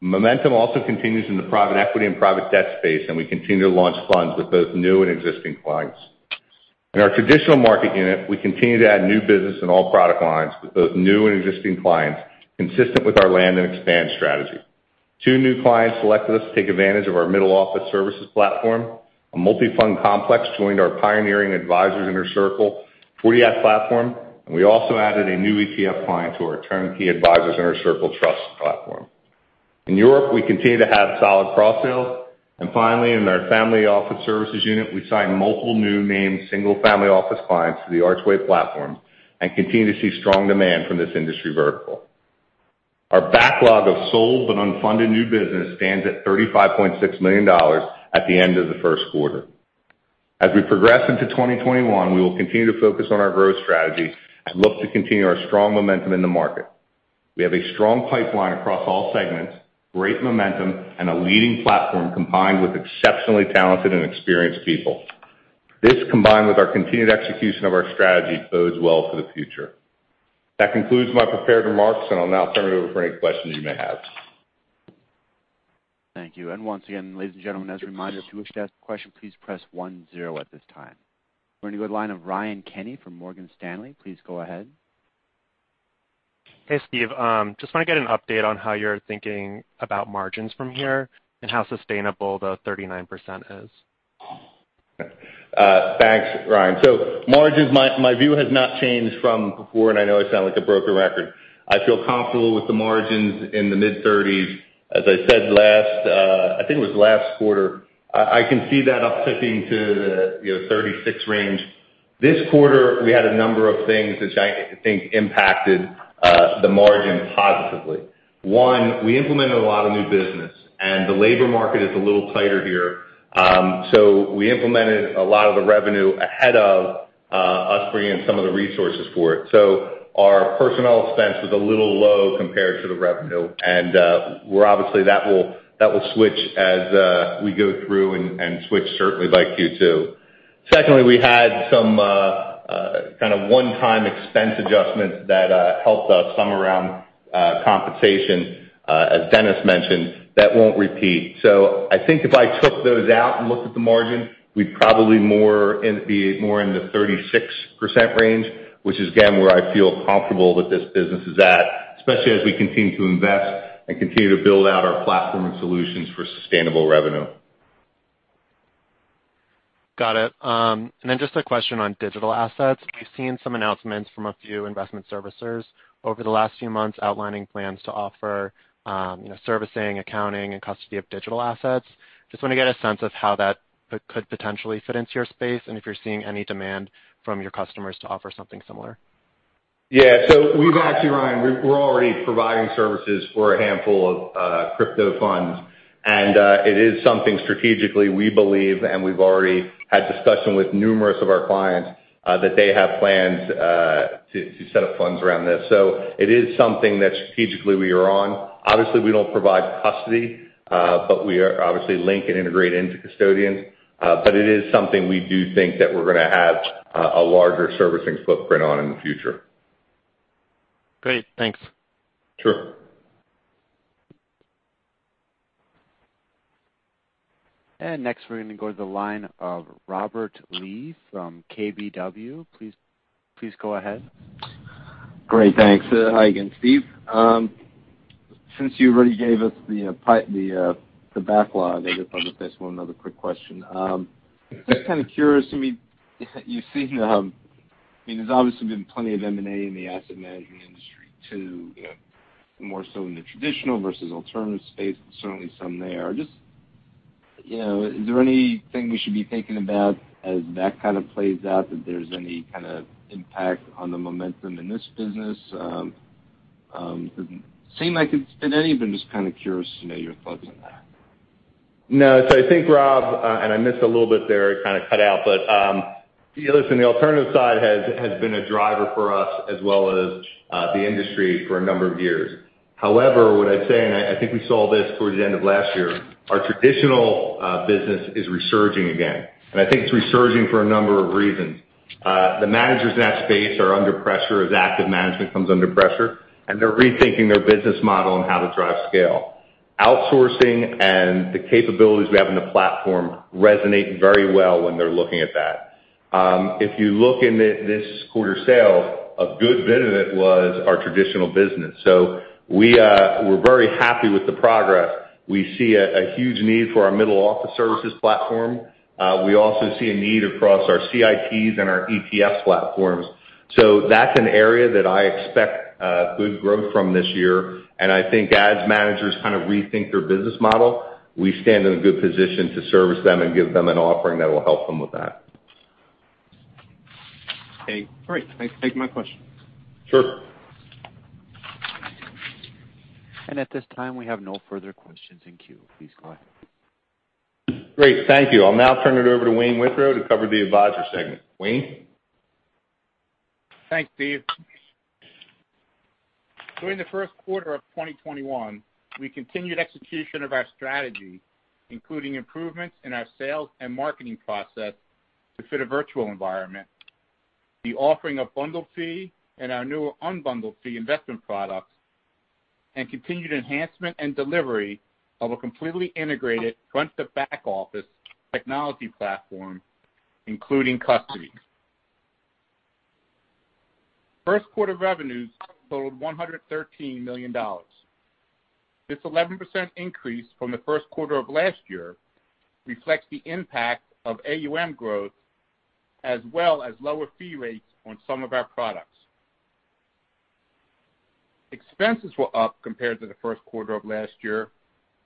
Momentum also continues in the private equity and private debt space, and we continue to launch funds with both new and existing clients. In our traditional market unit, we continue to add new business in all product lines with both new and existing clients consistent with our land and expand strategy. Two new clients selected us to take advantage of our middle office services platform. A multi-fund complex joined our pioneering Advisors' Inner Circle Fund '40 Act platform, and we also added a new ETF client to our turnkey Advisors' Inner Circle Fund trust platform. In Europe, we continue to have solid cross-sales. And finally, in our family office services unit, we signed multiple new named single family office clients to the Archway Platform and continue to see strong demand from this industry vertical. Our backlog of sold but unfunded new business stands at $35.6 million at the end of the first quarter. As we progress into 2021, we will continue to focus on our growth strategies and look to continue our strong momentum in the market. We have a strong pipeline across all segments, great momentum, and a leading platform combined with exceptionally talented and experienced people. This, combined with our continued execution of our strategy, bodes well for the future. That concludes my prepared remarks, and I'll now turn it over for any questions you may have. Thank you. Once again, ladies and gentlemen, as a reminder, if you wish to ask a question, please press one zero at this time. We're going to go to the line of Ryan Kenny from Morgan Stanley. Please go ahead. Hey, Steve. Just want to get an update on how you're thinking about margins from here and how sustainable the 39% is? Thanks, Ryan. Margins, my view has not changed from before, and I know I sound like a broken record. I feel comfortable with the margins in the mid-30s. As I said, I think it was last quarter, I can see that up-ticking to the 36% range. This quarter, we had a number of things which I think impacted the margin positively. One, we implemented a lot of new business, and the labor market is a little tighter here. We implemented a lot of the revenue ahead of us bringing in some of the resources for it. Our personnel expense was a little low compared to the revenue, and obviously, that will switch as we go through and switch certainly by Q2. Secondly, we had some kind of one-time expense adjustments that helped us, some around compensation, as Dennis mentioned, that won't repeat. I think if I took those out and looked at the margin, we'd probably be more in the 36% range, which is again, where I feel comfortable that this business is at, especially as we continue to invest and continue to build out our platform and solutions for sustainable revenue. Got it. Then just a question on digital assets. We've seen some announcements from a few investment servicers over the last few months outlining plans to offer servicing, accounting, and custody of digital assets. Just want to get a sense of how that could potentially fit into your space, and if you're seeing any demand from your customers to offer something similar. Yeah. We've actually, Ryan, we're already providing services for a handful of crypto funds, and it is something strategically we believe, and we've already had discussion with numerous of our clients, that they have plans to set up funds around this. It is something that strategically we are on. Obviously, we don't provide custody, but we obviously link and integrate into custodians. It is something we do think that we're going to have a larger servicing footprint on in the future. Great. Thanks. Sure. Next we're going to go to the line of Robert Lee from KBW. Please go ahead. Great. Thanks. Hi again, Steve. Since you already gave us the backlog, I guess I'll just ask one other quick question. Just kind of curious, there's obviously been plenty of M&A in the asset management industry, too, more so in the traditional versus alternative space, but certainly some there. Just is there anything we should be thinking about as that kind of plays out, that there's any kind of impact on the momentum in this business? Doesn't seem like it's been any, but I'm just kind of curious to know your thoughts on that. No. I think, Rob, and I missed a little bit there, it kind of cut out, but listen, the alternative side has been a driver for us as well as the industry for a number of years. What I'd say, and I think we saw this towards the end of last year, our traditional business is resurging again, and I think it's resurging for a number of reasons. The managers in that space are under pressure as active management comes under pressure, and they're rethinking their business model and how to drive scale. Outsourcing and the capabilities we have in the platform resonate very well when they're looking at that. If you look in this quarter's sales, a good bit of it was our traditional business. We're very happy with the progress. We see a huge need for our middle office services platform. We also see a need across our CITs and our ETF platforms. That's an area that I expect good growth from this year, and I think as managers kind of rethink their business model, we stand in a good position to service them and give them an offering that will help them with that. Okay, great. Thanks. That takes my question. Sure. At this time, we have no further questions in queue. Please go ahead. Great. Thank you. I'll now turn it over to Wayne Withrow to cover the Advisor segment. Wayne? Thanks, Steve. During the first quarter of 2021, we continued execution of our strategy, including improvements in our sales and marketing process to fit a virtual environment, the offering of bundled fee and our newer unbundled fee investment products, and continued enhancement and delivery of a completely integrated front to back office technology platform, including custody. First quarter revenues totaled $113 million. This 11% increase from the first quarter of last year reflects the impact of AUM growth, as well as lower fee rates on some of our products. Expenses were up compared to the first quarter of last year,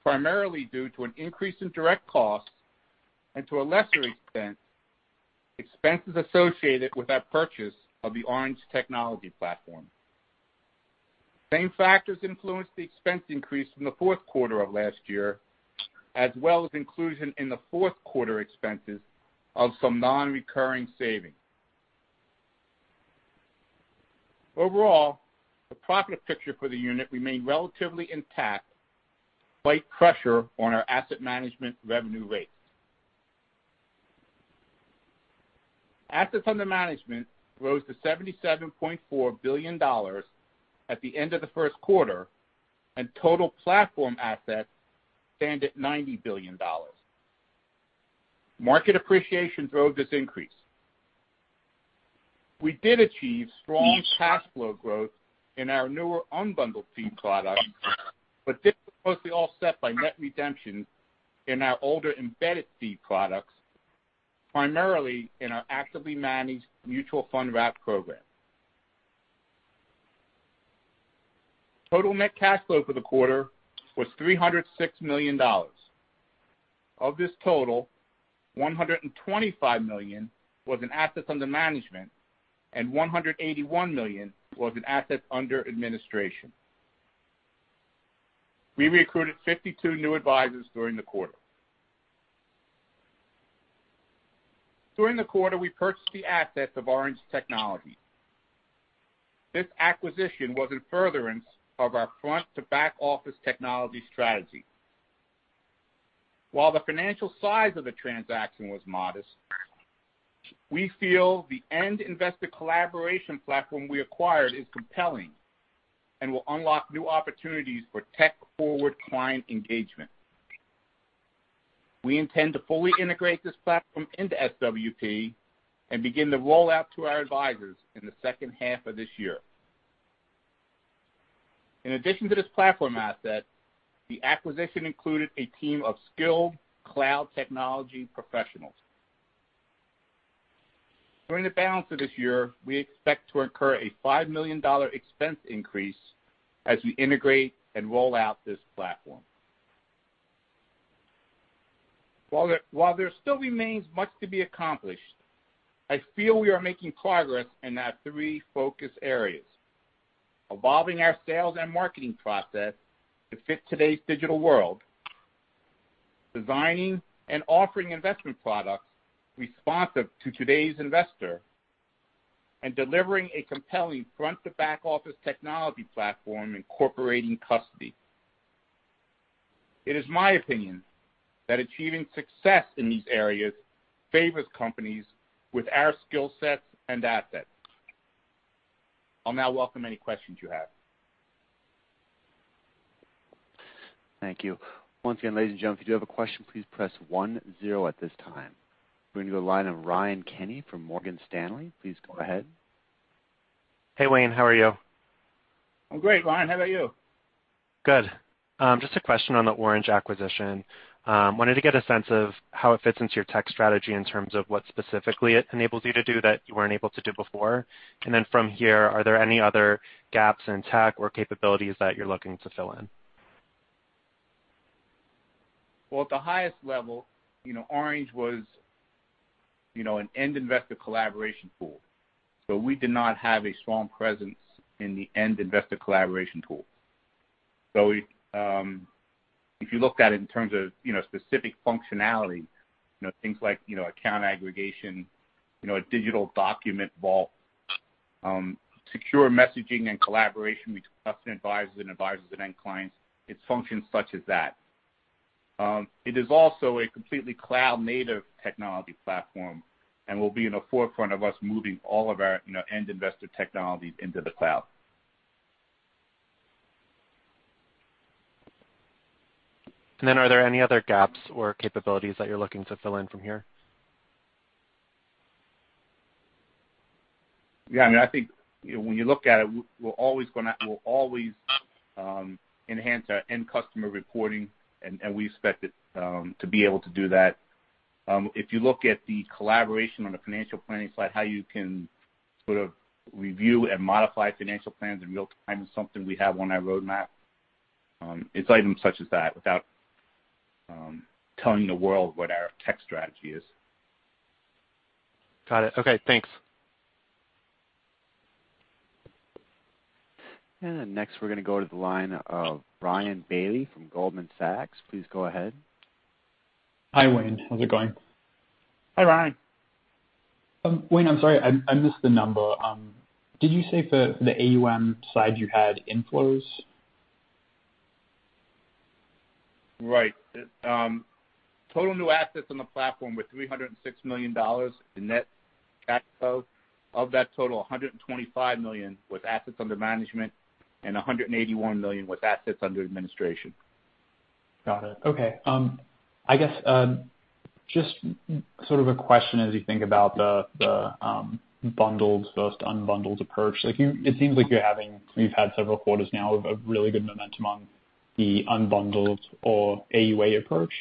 primarily due to an increase in direct costs, and to a lesser extent, expenses associated with our purchase of the Oranj technology platform. Same factors influenced the expense increase from the fourth quarter of last year, as well as inclusion in the fourth quarter expenses of some non-recurring savings. Overall, the profit picture for the unit remained relatively intact, slight pressure on our asset management revenue rates. Assets under management rose to $77.4 billion at the end of the first quarter, and total platform assets stand at $90 billion. Market appreciation drove this increase. We did achieve strong cash flow growth in our newer unbundled fee products, but this was mostly offset by net redemptions in our older embedded fee products, primarily in our actively managed mutual fund wrap program. Total net cash flow for the quarter was $306 million. Of this total, $125 million was in assets under management, and $181 million was in assets under administration. We recruited 52 new advisors during the quarter. During the quarter, we purchased the assets of Oranj technology. This acquisition was in furtherance of our front to back office technology strategy. While the financial size of the transaction was modest, we feel the end investor collaboration platform we acquired is compelling and will unlock new opportunities for tech forward client engagement. We intend to fully integrate this platform into SWP and begin the rollout to our advisors in the second half of this year. In addition to this platform asset, the acquisition included a team of skilled cloud technology professionals. During the balance of this year, we expect to incur a $5 million expense increase as we integrate and roll out this platform. While there still remains much to be accomplished, I feel we are making progress in our three focus areas: evolving our sales and marketing process to fit today's digital world, designing and offering investment products responsive to today's investor, and delivering a compelling front to back office technology platform incorporating custody. It is my opinion that achieving success in these areas favors companies with our skill sets and assets. I'll now welcome any questions you have. Thank you. Once again, ladies and gentlemen, if you do have a question, please press one and zero at this time. We're going to the line of Ryan Kenny from Morgan Stanley. Please go ahead. Hey, Wayne. How are you? I'm great, Ryan. How about you? Good. Just a question on the Oranj acquisition. Wanted to get a sense of how it fits into your tech strategy in terms of what specifically it enables you to do that you weren't able to do before. From here, are there any other gaps in tech or capabilities that you're looking to fill in? Well, at the highest level, Oranj was an end investor collaboration tool. We did not have a strong presence in the end investor collaboration tool. If you look at it in terms of specific functionality, things like account aggregation, a digital document vault, secure messaging and collaboration with trust and advisors and advisors and end clients, it's functions such as that. It is also a completely cloud native technology platform and will be in the forefront of us moving all of our end investor technologies into the cloud. Are there any other gaps or capabilities that you're looking to fill in from here? Yeah. I think when you look at it, we'll always enhance our end customer reporting, and we expect it to be able to do that. If you look at the collaboration on the financial planning side, how you can sort of review and modify financial plans in real time is something we have on our roadmap. It's items such as that, without telling the world what our tech strategy is. Got it. Okay, thanks. Next we're going to go to the line of Ryan Bailey from Goldman Sachs. Please go ahead. Hi, Wayne. How's it going? Hi, Ryan. Wayne, I'm sorry, I missed the number. Did you say for the AUM side you had inflows? Right. Total new assets on the platform were $306 million in net cash flow. Of that total, $125 million was assets under management and $181 million was assets under administration. Got it. Okay. I guess, just a question as you think about the bundled versus unbundled approach. It seems like you've had several quarters now of really good momentum on the unbundled or AUA approach.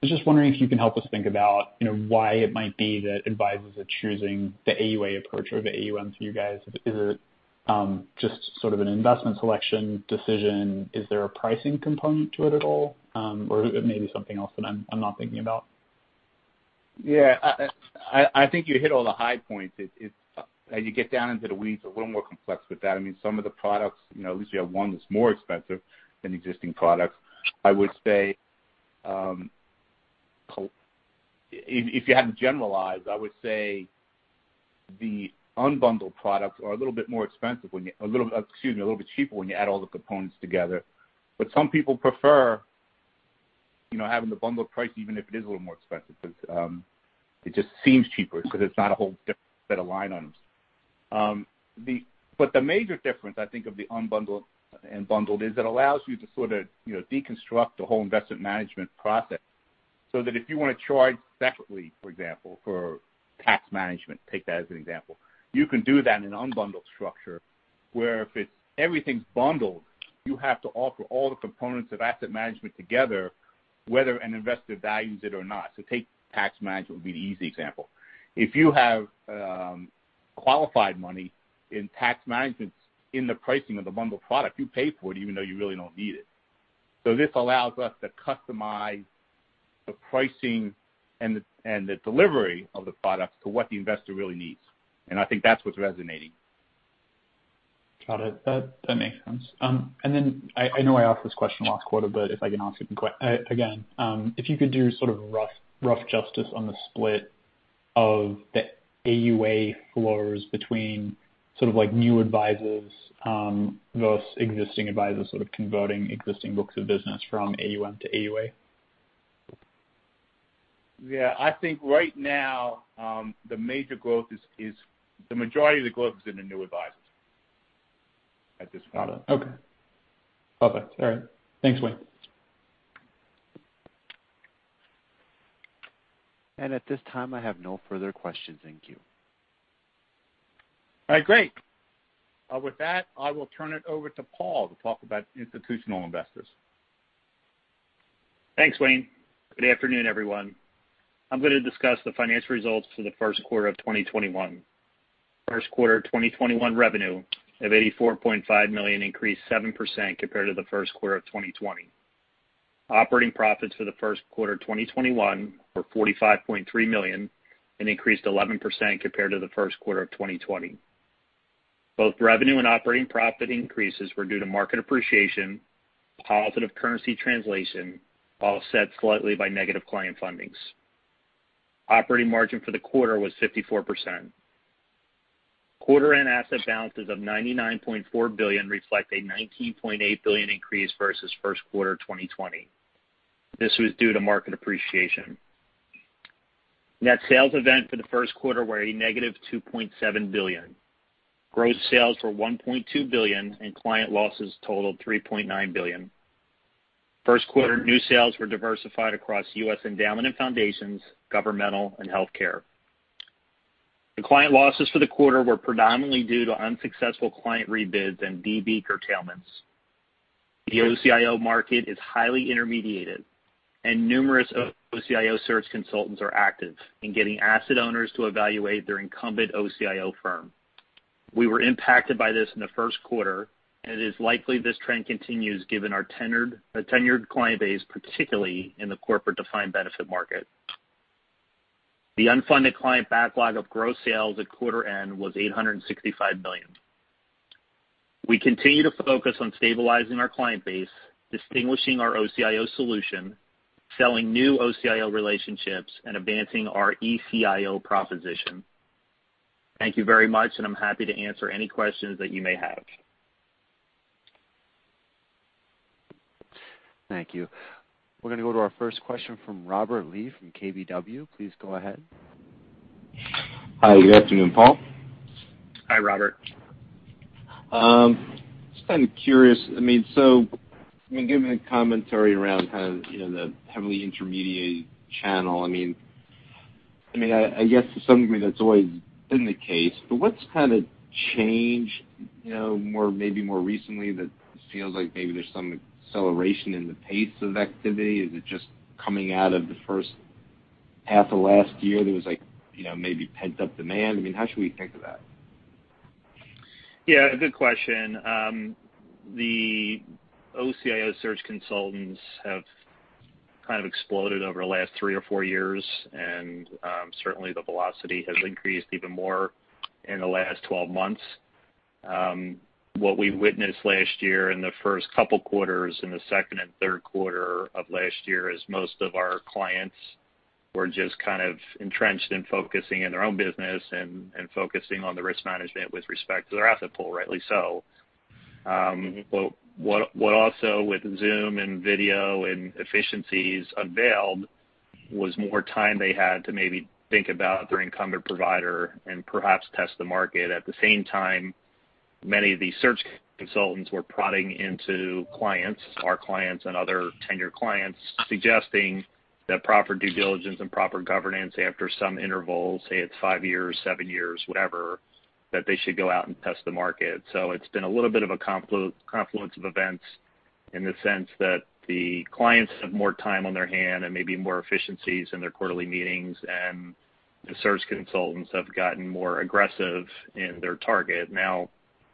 I was just wondering if you can help us think about why it might be that advisors are choosing the AUA approach over the AUM for you guys. Is it just an investment selection decision? Is there a pricing component to it at all? Or it may be something else that I'm not thinking about. Yeah. I think you hit all the high points. As you get down into the weeds, a little more complex with that. Some of the products, at least you have one that's more expensive than existing products. If you had to generalize, I would say the unbundled products are a little bit cheaper when you add all the components together. Some people prefer having the bundled price, even if it is a little more expensive, because it just seems cheaper because it's not a whole different set of line items. The major difference, I think, of the unbundled and bundled is it allows you to deconstruct the whole investment management process, so that if you want to charge separately, for example, for tax management, take that as an example. You can do that in an unbundled structure, where if everything's bundled, you have to offer all the components of asset management together, whether an investor values it or not. Take tax management would be the easy example. If you have qualified money in tax management in the pricing of the bundled product, you pay for it even though you really don't need it. This allows us to customize the pricing and the delivery of the product to what the investor really needs, and I think that's what's resonating. Got it. That makes sense. I know I asked this question last quarter, but if I can ask it again. If you could do rough justice on the split of the AUA flows between new advisors versus existing advisors converting existing books of business from AUM to AUA. Yeah, I think right now, the majority of the growth is in the new advisors at this point. Got it. Okay. Perfect. All right. Thanks, Wayne. At this time, I have no further questions. Thank you. All right, great. With that, I will turn it over to Paul to talk about Institutional Investors. Thanks, Wayne. Good afternoon, everyone. I'm going to discuss the financial results for the first quarter of 2021. First quarter 2021 revenue of $84.5 million increased 7% compared to the first quarter of 2020. Operating profits for the first quarter 2021 were $45.3 million and increased 11% compared to the first quarter of 2020. Both revenue and operating profit increases were due to market appreciation, positive currency translation, offset slightly by negative client fundings. Operating margin for the quarter was 54%. Quarter-end asset balances of $99.4 billion reflect a $19.8 billion increase versus first quarter 2020. This was due to market appreciation. Net sales event for the first quarter were a -$2.7 billion. Gross sales were $1.2 billion, and client losses totaled $3.9 billion. First quarter new sales were diversified across U.S. endowment and foundations, governmental, and healthcare. The client losses for the quarter were predominantly due to unsuccessful client rebids and DB curtailments. The OCIO market is highly intermediated, and numerous OCIO search consultants are active in getting asset owners to evaluate their incumbent OCIO firm. We were impacted by this in the first quarter, and it is likely this trend continues given our tenured client base, particularly in the corporate defined benefit market. The unfunded client backlog of gross sales at quarter end was $865 million. We continue to focus on stabilizing our client base, distinguishing our OCIO solution, selling new OCIO relationships, and advancing our ECIO proposition. Thank you very much, and I'm happy to answer any questions that you may have. Thank you. We're going to go to our first question from Robert Lee from KBW. Please go ahead. Hi. Good afternoon, Paul. Hi, Robert. Just curious. Given the commentary around the heavily intermediated channel, I guess to some degree that's always been the case, but what's changed maybe more recently that feels like maybe there's some acceleration in the pace of activity? Is it just coming out of the first half of last year, there was maybe pent-up demand? How should we think of that? Good question. The OCIO search consultants have exploded over the last three or four years, and certainly the velocity has increased even more in the last 12 months. What we witnessed last year in the first couple quarters, in the second and third quarter of last year, is most of our clients were just entrenched in focusing in their own business and focusing on the risk management with respect to their asset pool, rightly so. What also, with Zoom and video and efficiencies unveiled, was more time they had to maybe think about their incumbent provider and perhaps test the market. At the same time. Many of the search consultants were prodding into clients, our clients, and other tenured clients, suggesting that proper due diligence and proper governance after some interval, say it's five years, seven years, whatever, that they should go out and test the market. It's been a little bit of a confluence of events in the sense that the clients have more time on their hand and maybe more efficiencies in their quarterly meetings, and the search consultants have gotten more aggressive in their target.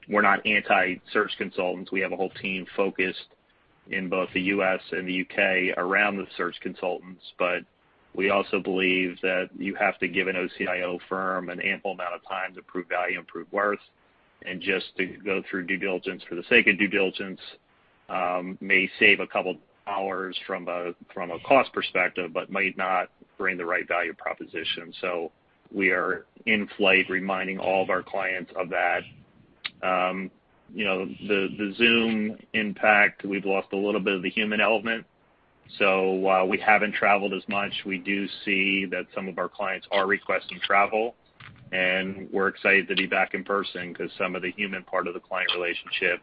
We're not anti-search consultants. We have a whole team focused in both the U.S. and the U.K. around the search consultants. We also believe that you have to give an OCIO firm an ample amount of time to prove value and prove worth. Just to go through due diligence for the sake of due diligence may save a couple of hours from a cost perspective, but might not bring the right value proposition. We are in flight reminding all of our clients of that. The Zoom impact, we've lost a little bit of the human element. While we haven't traveled as much, we do see that some of our clients are requesting travel. We're excited to be back in person because some of the human part of the client relationship,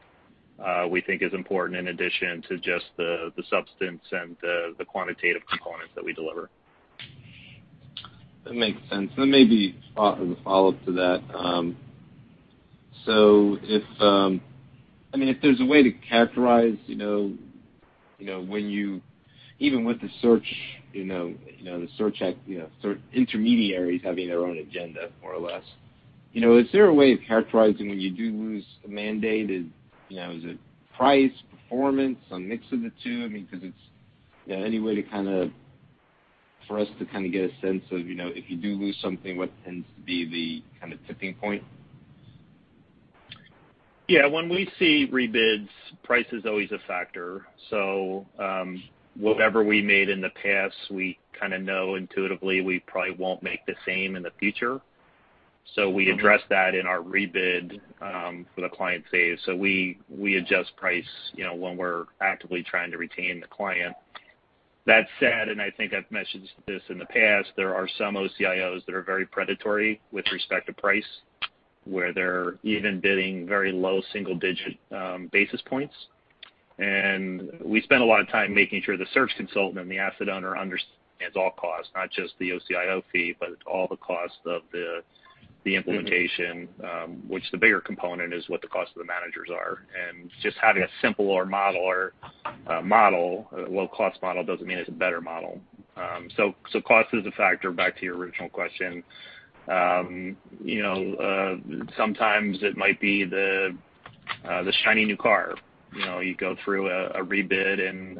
we think, is important in addition to just the substance and the quantitative components that we deliver. That makes sense. Maybe as a follow-up to that, if there's a way to characterize, even with the search intermediaries having their own agenda, more or less, is there a way of characterizing when you do lose a mandate? Is it price, performance, a mix of the two? Any way for us to get a sense of, if you do lose something, what tends to be the tipping point? Yeah. When we see rebids, price is always a factor. Whatever we made in the past, we know intuitively we probably won't make the same in the future. We address that in our rebid for the client's sake. We adjust price when we're actively trying to retain the client. That said, I think I've mentioned this in the past, there are some OCIOs that are very predatory with respect to price, where they're even bidding very low single-digit basis points. We spend a lot of time making sure the search consultant and the asset owner understands all costs, not just the OCIO fee, but all the costs of the implementation. Which the bigger component is what the cost of the managers are. Just having a simpler model or a low-cost model doesn't mean it's a better model. Cost is a factor, back to your original question. Sometimes it might be the shiny new car. You go through a rebid and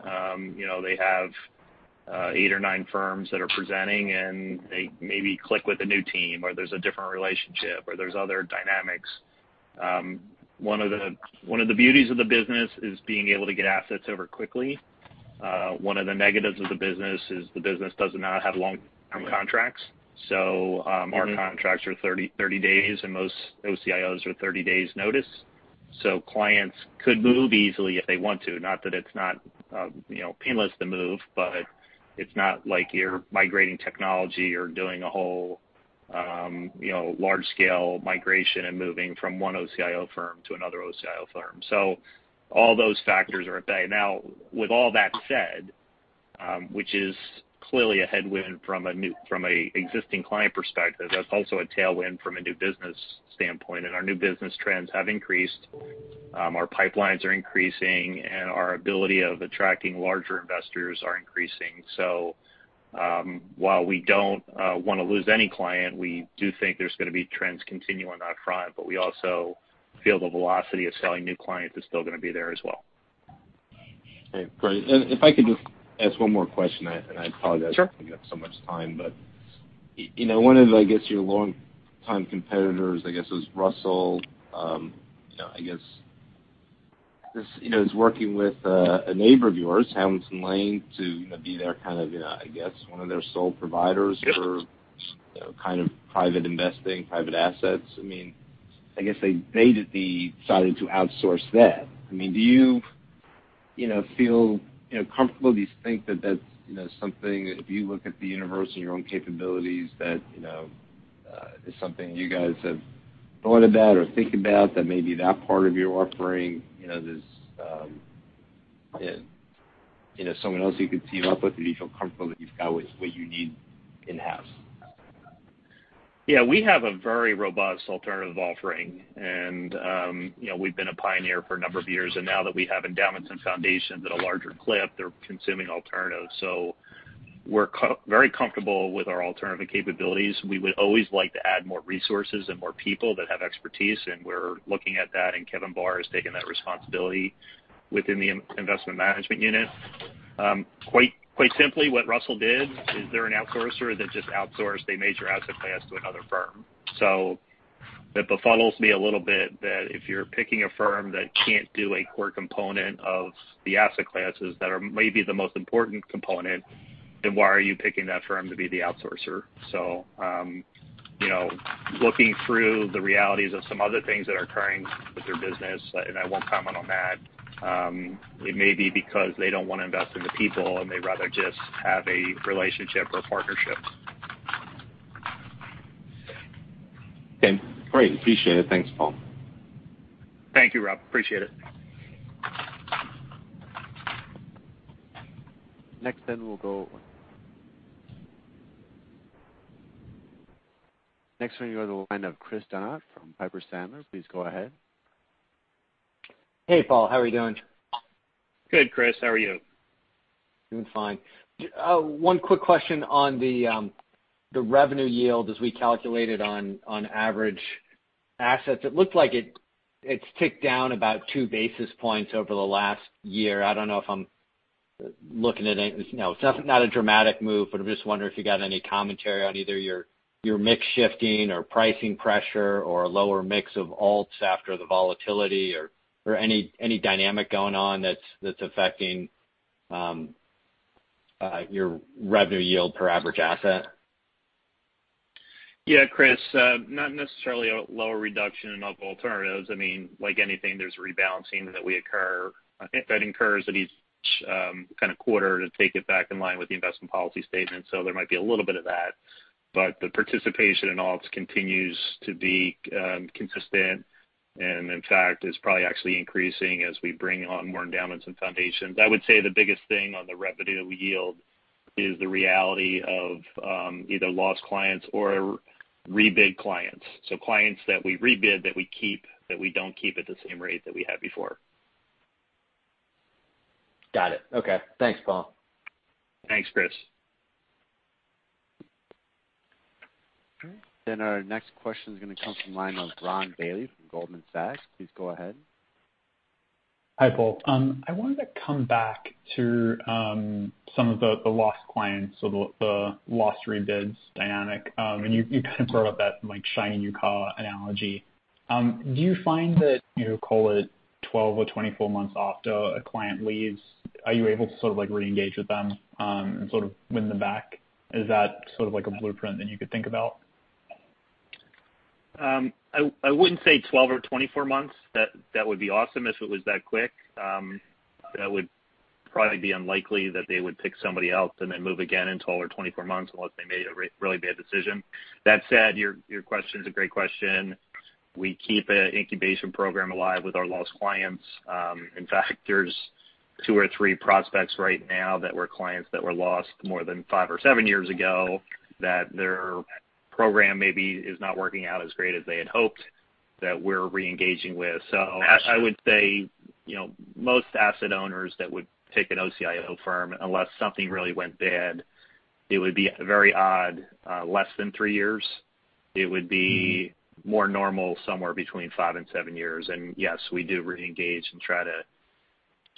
they have eight or nine firms that are presenting, and they maybe click with a new team, or there's a different relationship, or there's other dynamics. One of the beauties of the business is being able to get assets over quickly. One of the negatives of the business is the business does not have long-term contracts. Our contracts are 30 days, and most OCIOs are 30 days' notice. Clients could move easily if they want to. Not that it's not painless to move, but it's not like you're migrating technology or doing a whole large-scale migration and moving from one OCIO firm to another OCIO firm. All those factors are at play. With all that said, which is clearly a headwind from a existing client perspective, that's also a tailwind from a new business standpoint. Our new business trends have increased. Our pipelines are increasing, and our ability of attracting larger investors are increasing. While we don't want to lose any client, we do think there's going to be trends continuing on that front. We also feel the velocity of selling new clients is still going to be there as well. Okay, great. If I could just ask one more question, and I apologize. Sure. I'm taking up so much time. One of your long-time competitors was Russell, is working with a neighbor of yours, Hamilton Lane, to be their one of their sole providers for private investing, private assets. They decided to outsource that. Do you feel comfortable? Do you think that that's something that if you look at the universe and your own capabilities, that is something you guys have thought about or think about that maybe that part of your offering, there's someone else you could team up with? Do you feel comfortable that you've got what you need in-house? Yeah, we have a very robust alternative offering. We've been a pioneer for a number of years. Now that we have endowment and foundations at a larger clip, they're consuming alternatives. We're very comfortable with our alternative capabilities. We would always like to add more resources and more people that have expertise, and we're looking at that, and Kevin Barr has taken that responsibility within the investment management unit. Quite simply, what Russell did is they're an outsourcer that just outsourced a major asset class to another firm. It befuddles me a little bit that if you're picking a firm that can't do a core component of the asset classes that are maybe the most important component, then why are you picking that firm to be the outsourcer? Looking through the realities of some other things that are occurring with their business, and I won't comment on that. It may be because they don't want to invest in the people, and they'd rather just have a relationship or partnership. Okay, great. Appreciate it. Thanks, Paul. Thank you, Rob. Appreciate it. Next, we'll go to the line of Chris Donat from Piper Sandler. Please go ahead. Hey, Paul. How are you doing? Good, Chris. How are you? Doing fine. One quick question on the revenue yield as we calculate it on average assets. It looked like it's ticked down about two basis points over the last year. I don't know if I'm looking at it. It's not a dramatic move, but I'm just wondering if you got any commentary on either your mix shifting or pricing pressure or a lower mix of alts after the volatility or any dynamic going on that's affecting your revenue yield per average asset? Yeah, Chris, not necessarily a lower reduction of alternatives. Like anything, there's rebalancing that we occur. I think that occurs at each kind of quarter to take it back in line with the investment policy statement. There might be a little bit of that. The participation in alts continues to be consistent and in fact, is probably actually increasing as we bring on more endowments and foundations. I would say the biggest thing on the revenue that we yield is the reality of either lost clients or rebid clients. Clients that we rebid that we don't keep at the same rate that we had before. Got it. Okay. Thanks, Paul. Thanks, Chris. All right. Our next question is going to come from the line of Ryan Bailey from Goldman Sachs. Please go ahead. Hi, Paul. I wanted to come back to some of the lost clients, the lost rebids dynamic. You kind of brought up that shining your car analogy. Do you find that call it 12 or 24 months after a client leaves, are you able to sort of reengage with them, and sort of win them back? Is that sort of like a blueprint that you could think about? I wouldn't say 12 or 24 months. That would be awesome if it was that quick. That would probably be unlikely that they would pick somebody else and then move again in 12 or 24 months unless they made a really bad decision. That said, your question is a great question. We keep an incubation program alive with our lost clients. In fact, there's two or three prospects right now that were clients that were lost more than five or seven years ago that their program maybe is not working out as great as they had hoped, that we're reengaging with. I would say, most asset owners that would pick an OCIO firm, unless something really went bad, it would be very odd, less than three years. It would be more normal somewhere between five and seven years. Yes, we do reengage and try to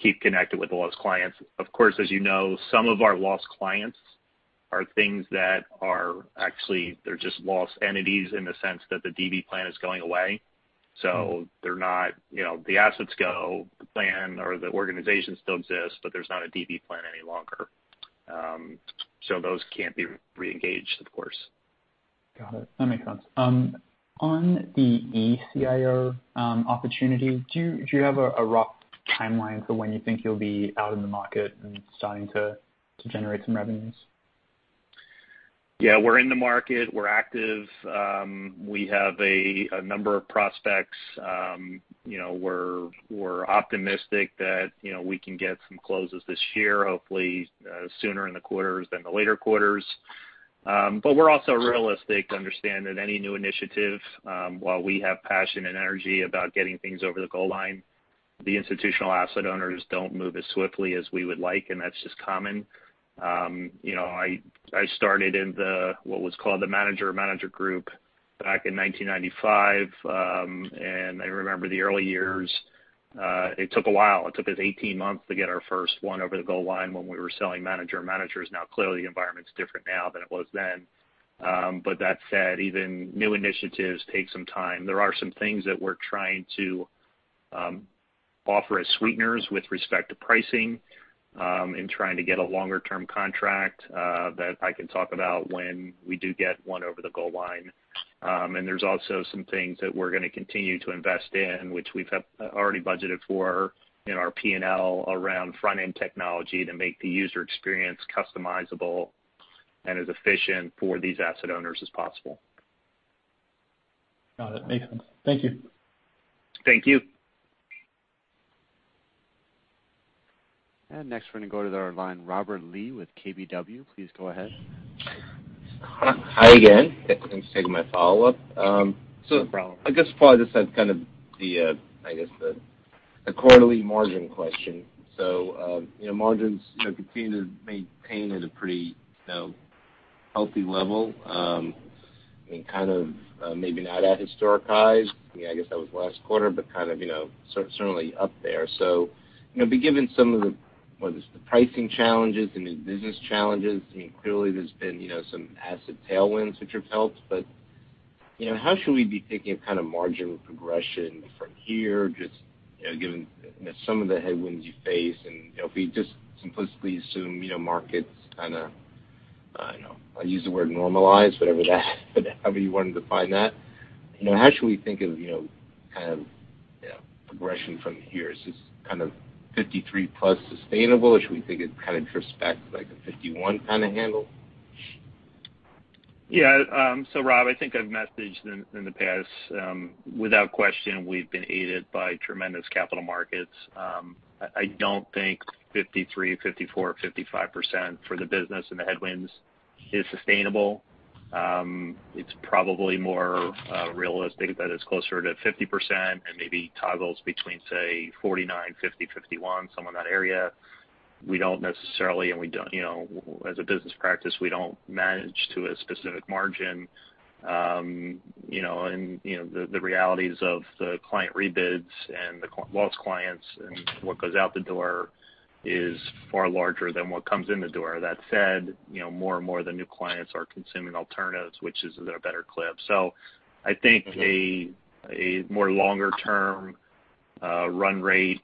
keep connected with the lost clients. Of course, as you know, some of our lost clients are things that are actually just lost entities in the sense that the DB plan is going away. The assets go, the plan or the organization still exists, but there's not a DB plan any longer. Those can't be reengaged, of course. Got it. That makes sense. On the ECIO opportunity, do you have a rough timeline for when you think you'll be out in the market and starting to generate some revenues? Yeah, we're in the market. We're active. We have a number of prospects. We're optimistic that we can get some closes this year, hopefully sooner in the quarters than the later quarters. We're also realistic to understand that any new initiative, while we have passion and energy about getting things over the goal line, the institutional asset owners don't move as swiftly as we would like, and that's just common. I started in what was called the Manager of Managers Group back in 1995. I remember the early years, it took a while. It took us 18 months to get our first one over the goal line when we were selling Manager-Managers. Now, clearly, the environment's different now than it was then. That said, even new initiatives take some time. There are some things that we're trying to offer as sweeteners with respect to pricing, in trying to get a longer-term contract, that I can talk about when we do get one over the goal line. There's also some things that we're going to continue to invest in, which we've already budgeted for in our P&L around front-end technology to make the user experience customizable and as efficient for these asset owners as possible. Got it. Makes sense. Thank you. Thank you. Next we're going to go to our line, Robert Lee with KBW. Please go ahead. Hi again. Thanks for taking my follow-up. No problem. I guess probably just as kind of the quarterly margin question? Margins continue to maintain at a pretty healthy level, kind of maybe not at historic highs. I guess that was last quarter, but kind of certainly up there. Given some of the pricing challenges, the new business challenges, clearly there's been some asset tailwinds which have helped, but how should we be thinking of kind of marginal progression from here, just given some of the headwinds you face and if we just simplistically assume markets kind of, I don't know, I'll use the word normalize, whatever you want to define that? How should we think of kind of progression from here? Is this 53%+ sustainable, or should we think it drifts back like a 51% kind of handle? Rob, I think I've messaged in the past, without question, we've been aided by tremendous capital markets. I don't think 53%, 54%, 55% for the business and the headwinds is sustainable. It's probably more realistic that it's closer to 50% and maybe toggles between, say, 49%, 50%, 51%, somewhere in that area. As a business practice, we don't manage to a specific margin. The realities of the client rebids and the lost clients and what goes out the door is far larger than what comes in the door. That said, more and more of the new clients are consuming alternatives, which is at a better clip. I think a more longer-term run rate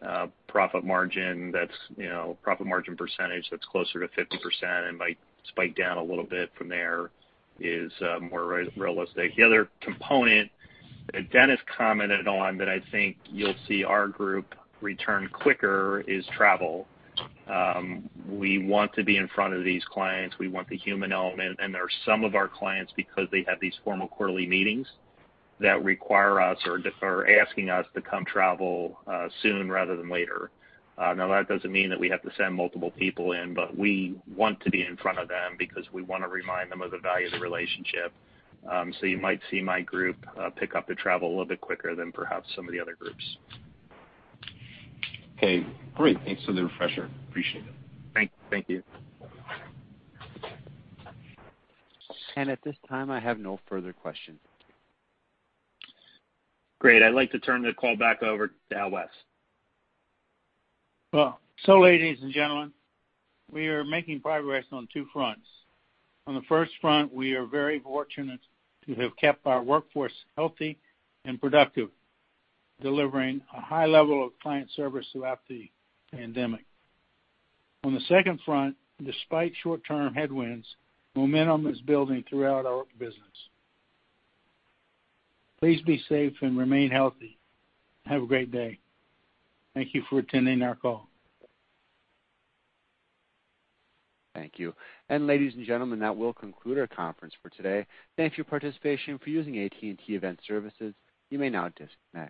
profit margin percentage that's closer to 50% and might spike down a little bit from there is more realistic. The other component that Dennis commented on that I think you'll see our group return quicker is travel. We want to be in front of these clients. We want the human element, and there are some of our clients, because they have these formal quarterly meetings, that require us or are asking us to come travel soon rather than later. That doesn't mean that we have to send multiple people in, but we want to be in front of them because we want to remind them of the value of the relationship. You might see my group pick up the travel a little bit quicker than perhaps some of the other groups. Okay, great. Thanks for the refresher. Appreciate it. Thank you. At this time, I have no further questions. Great, I'd like to turn the call back over to Al West. Ladies and gentlemen, we are making progress on two fronts. On the first front, we are very fortunate to have kept our workforce healthy and productive, delivering a high level of client service throughout the pandemic. On the second front, despite short-term headwinds, momentum is building throughout our business. Please be safe and remain healthy. Have a great day. Thank you for attending our call. Thank you. Ladies and gentlemen, that will conclude our conference for today. Thank you for participation and for using AT&T Event Services. You may now disconnect.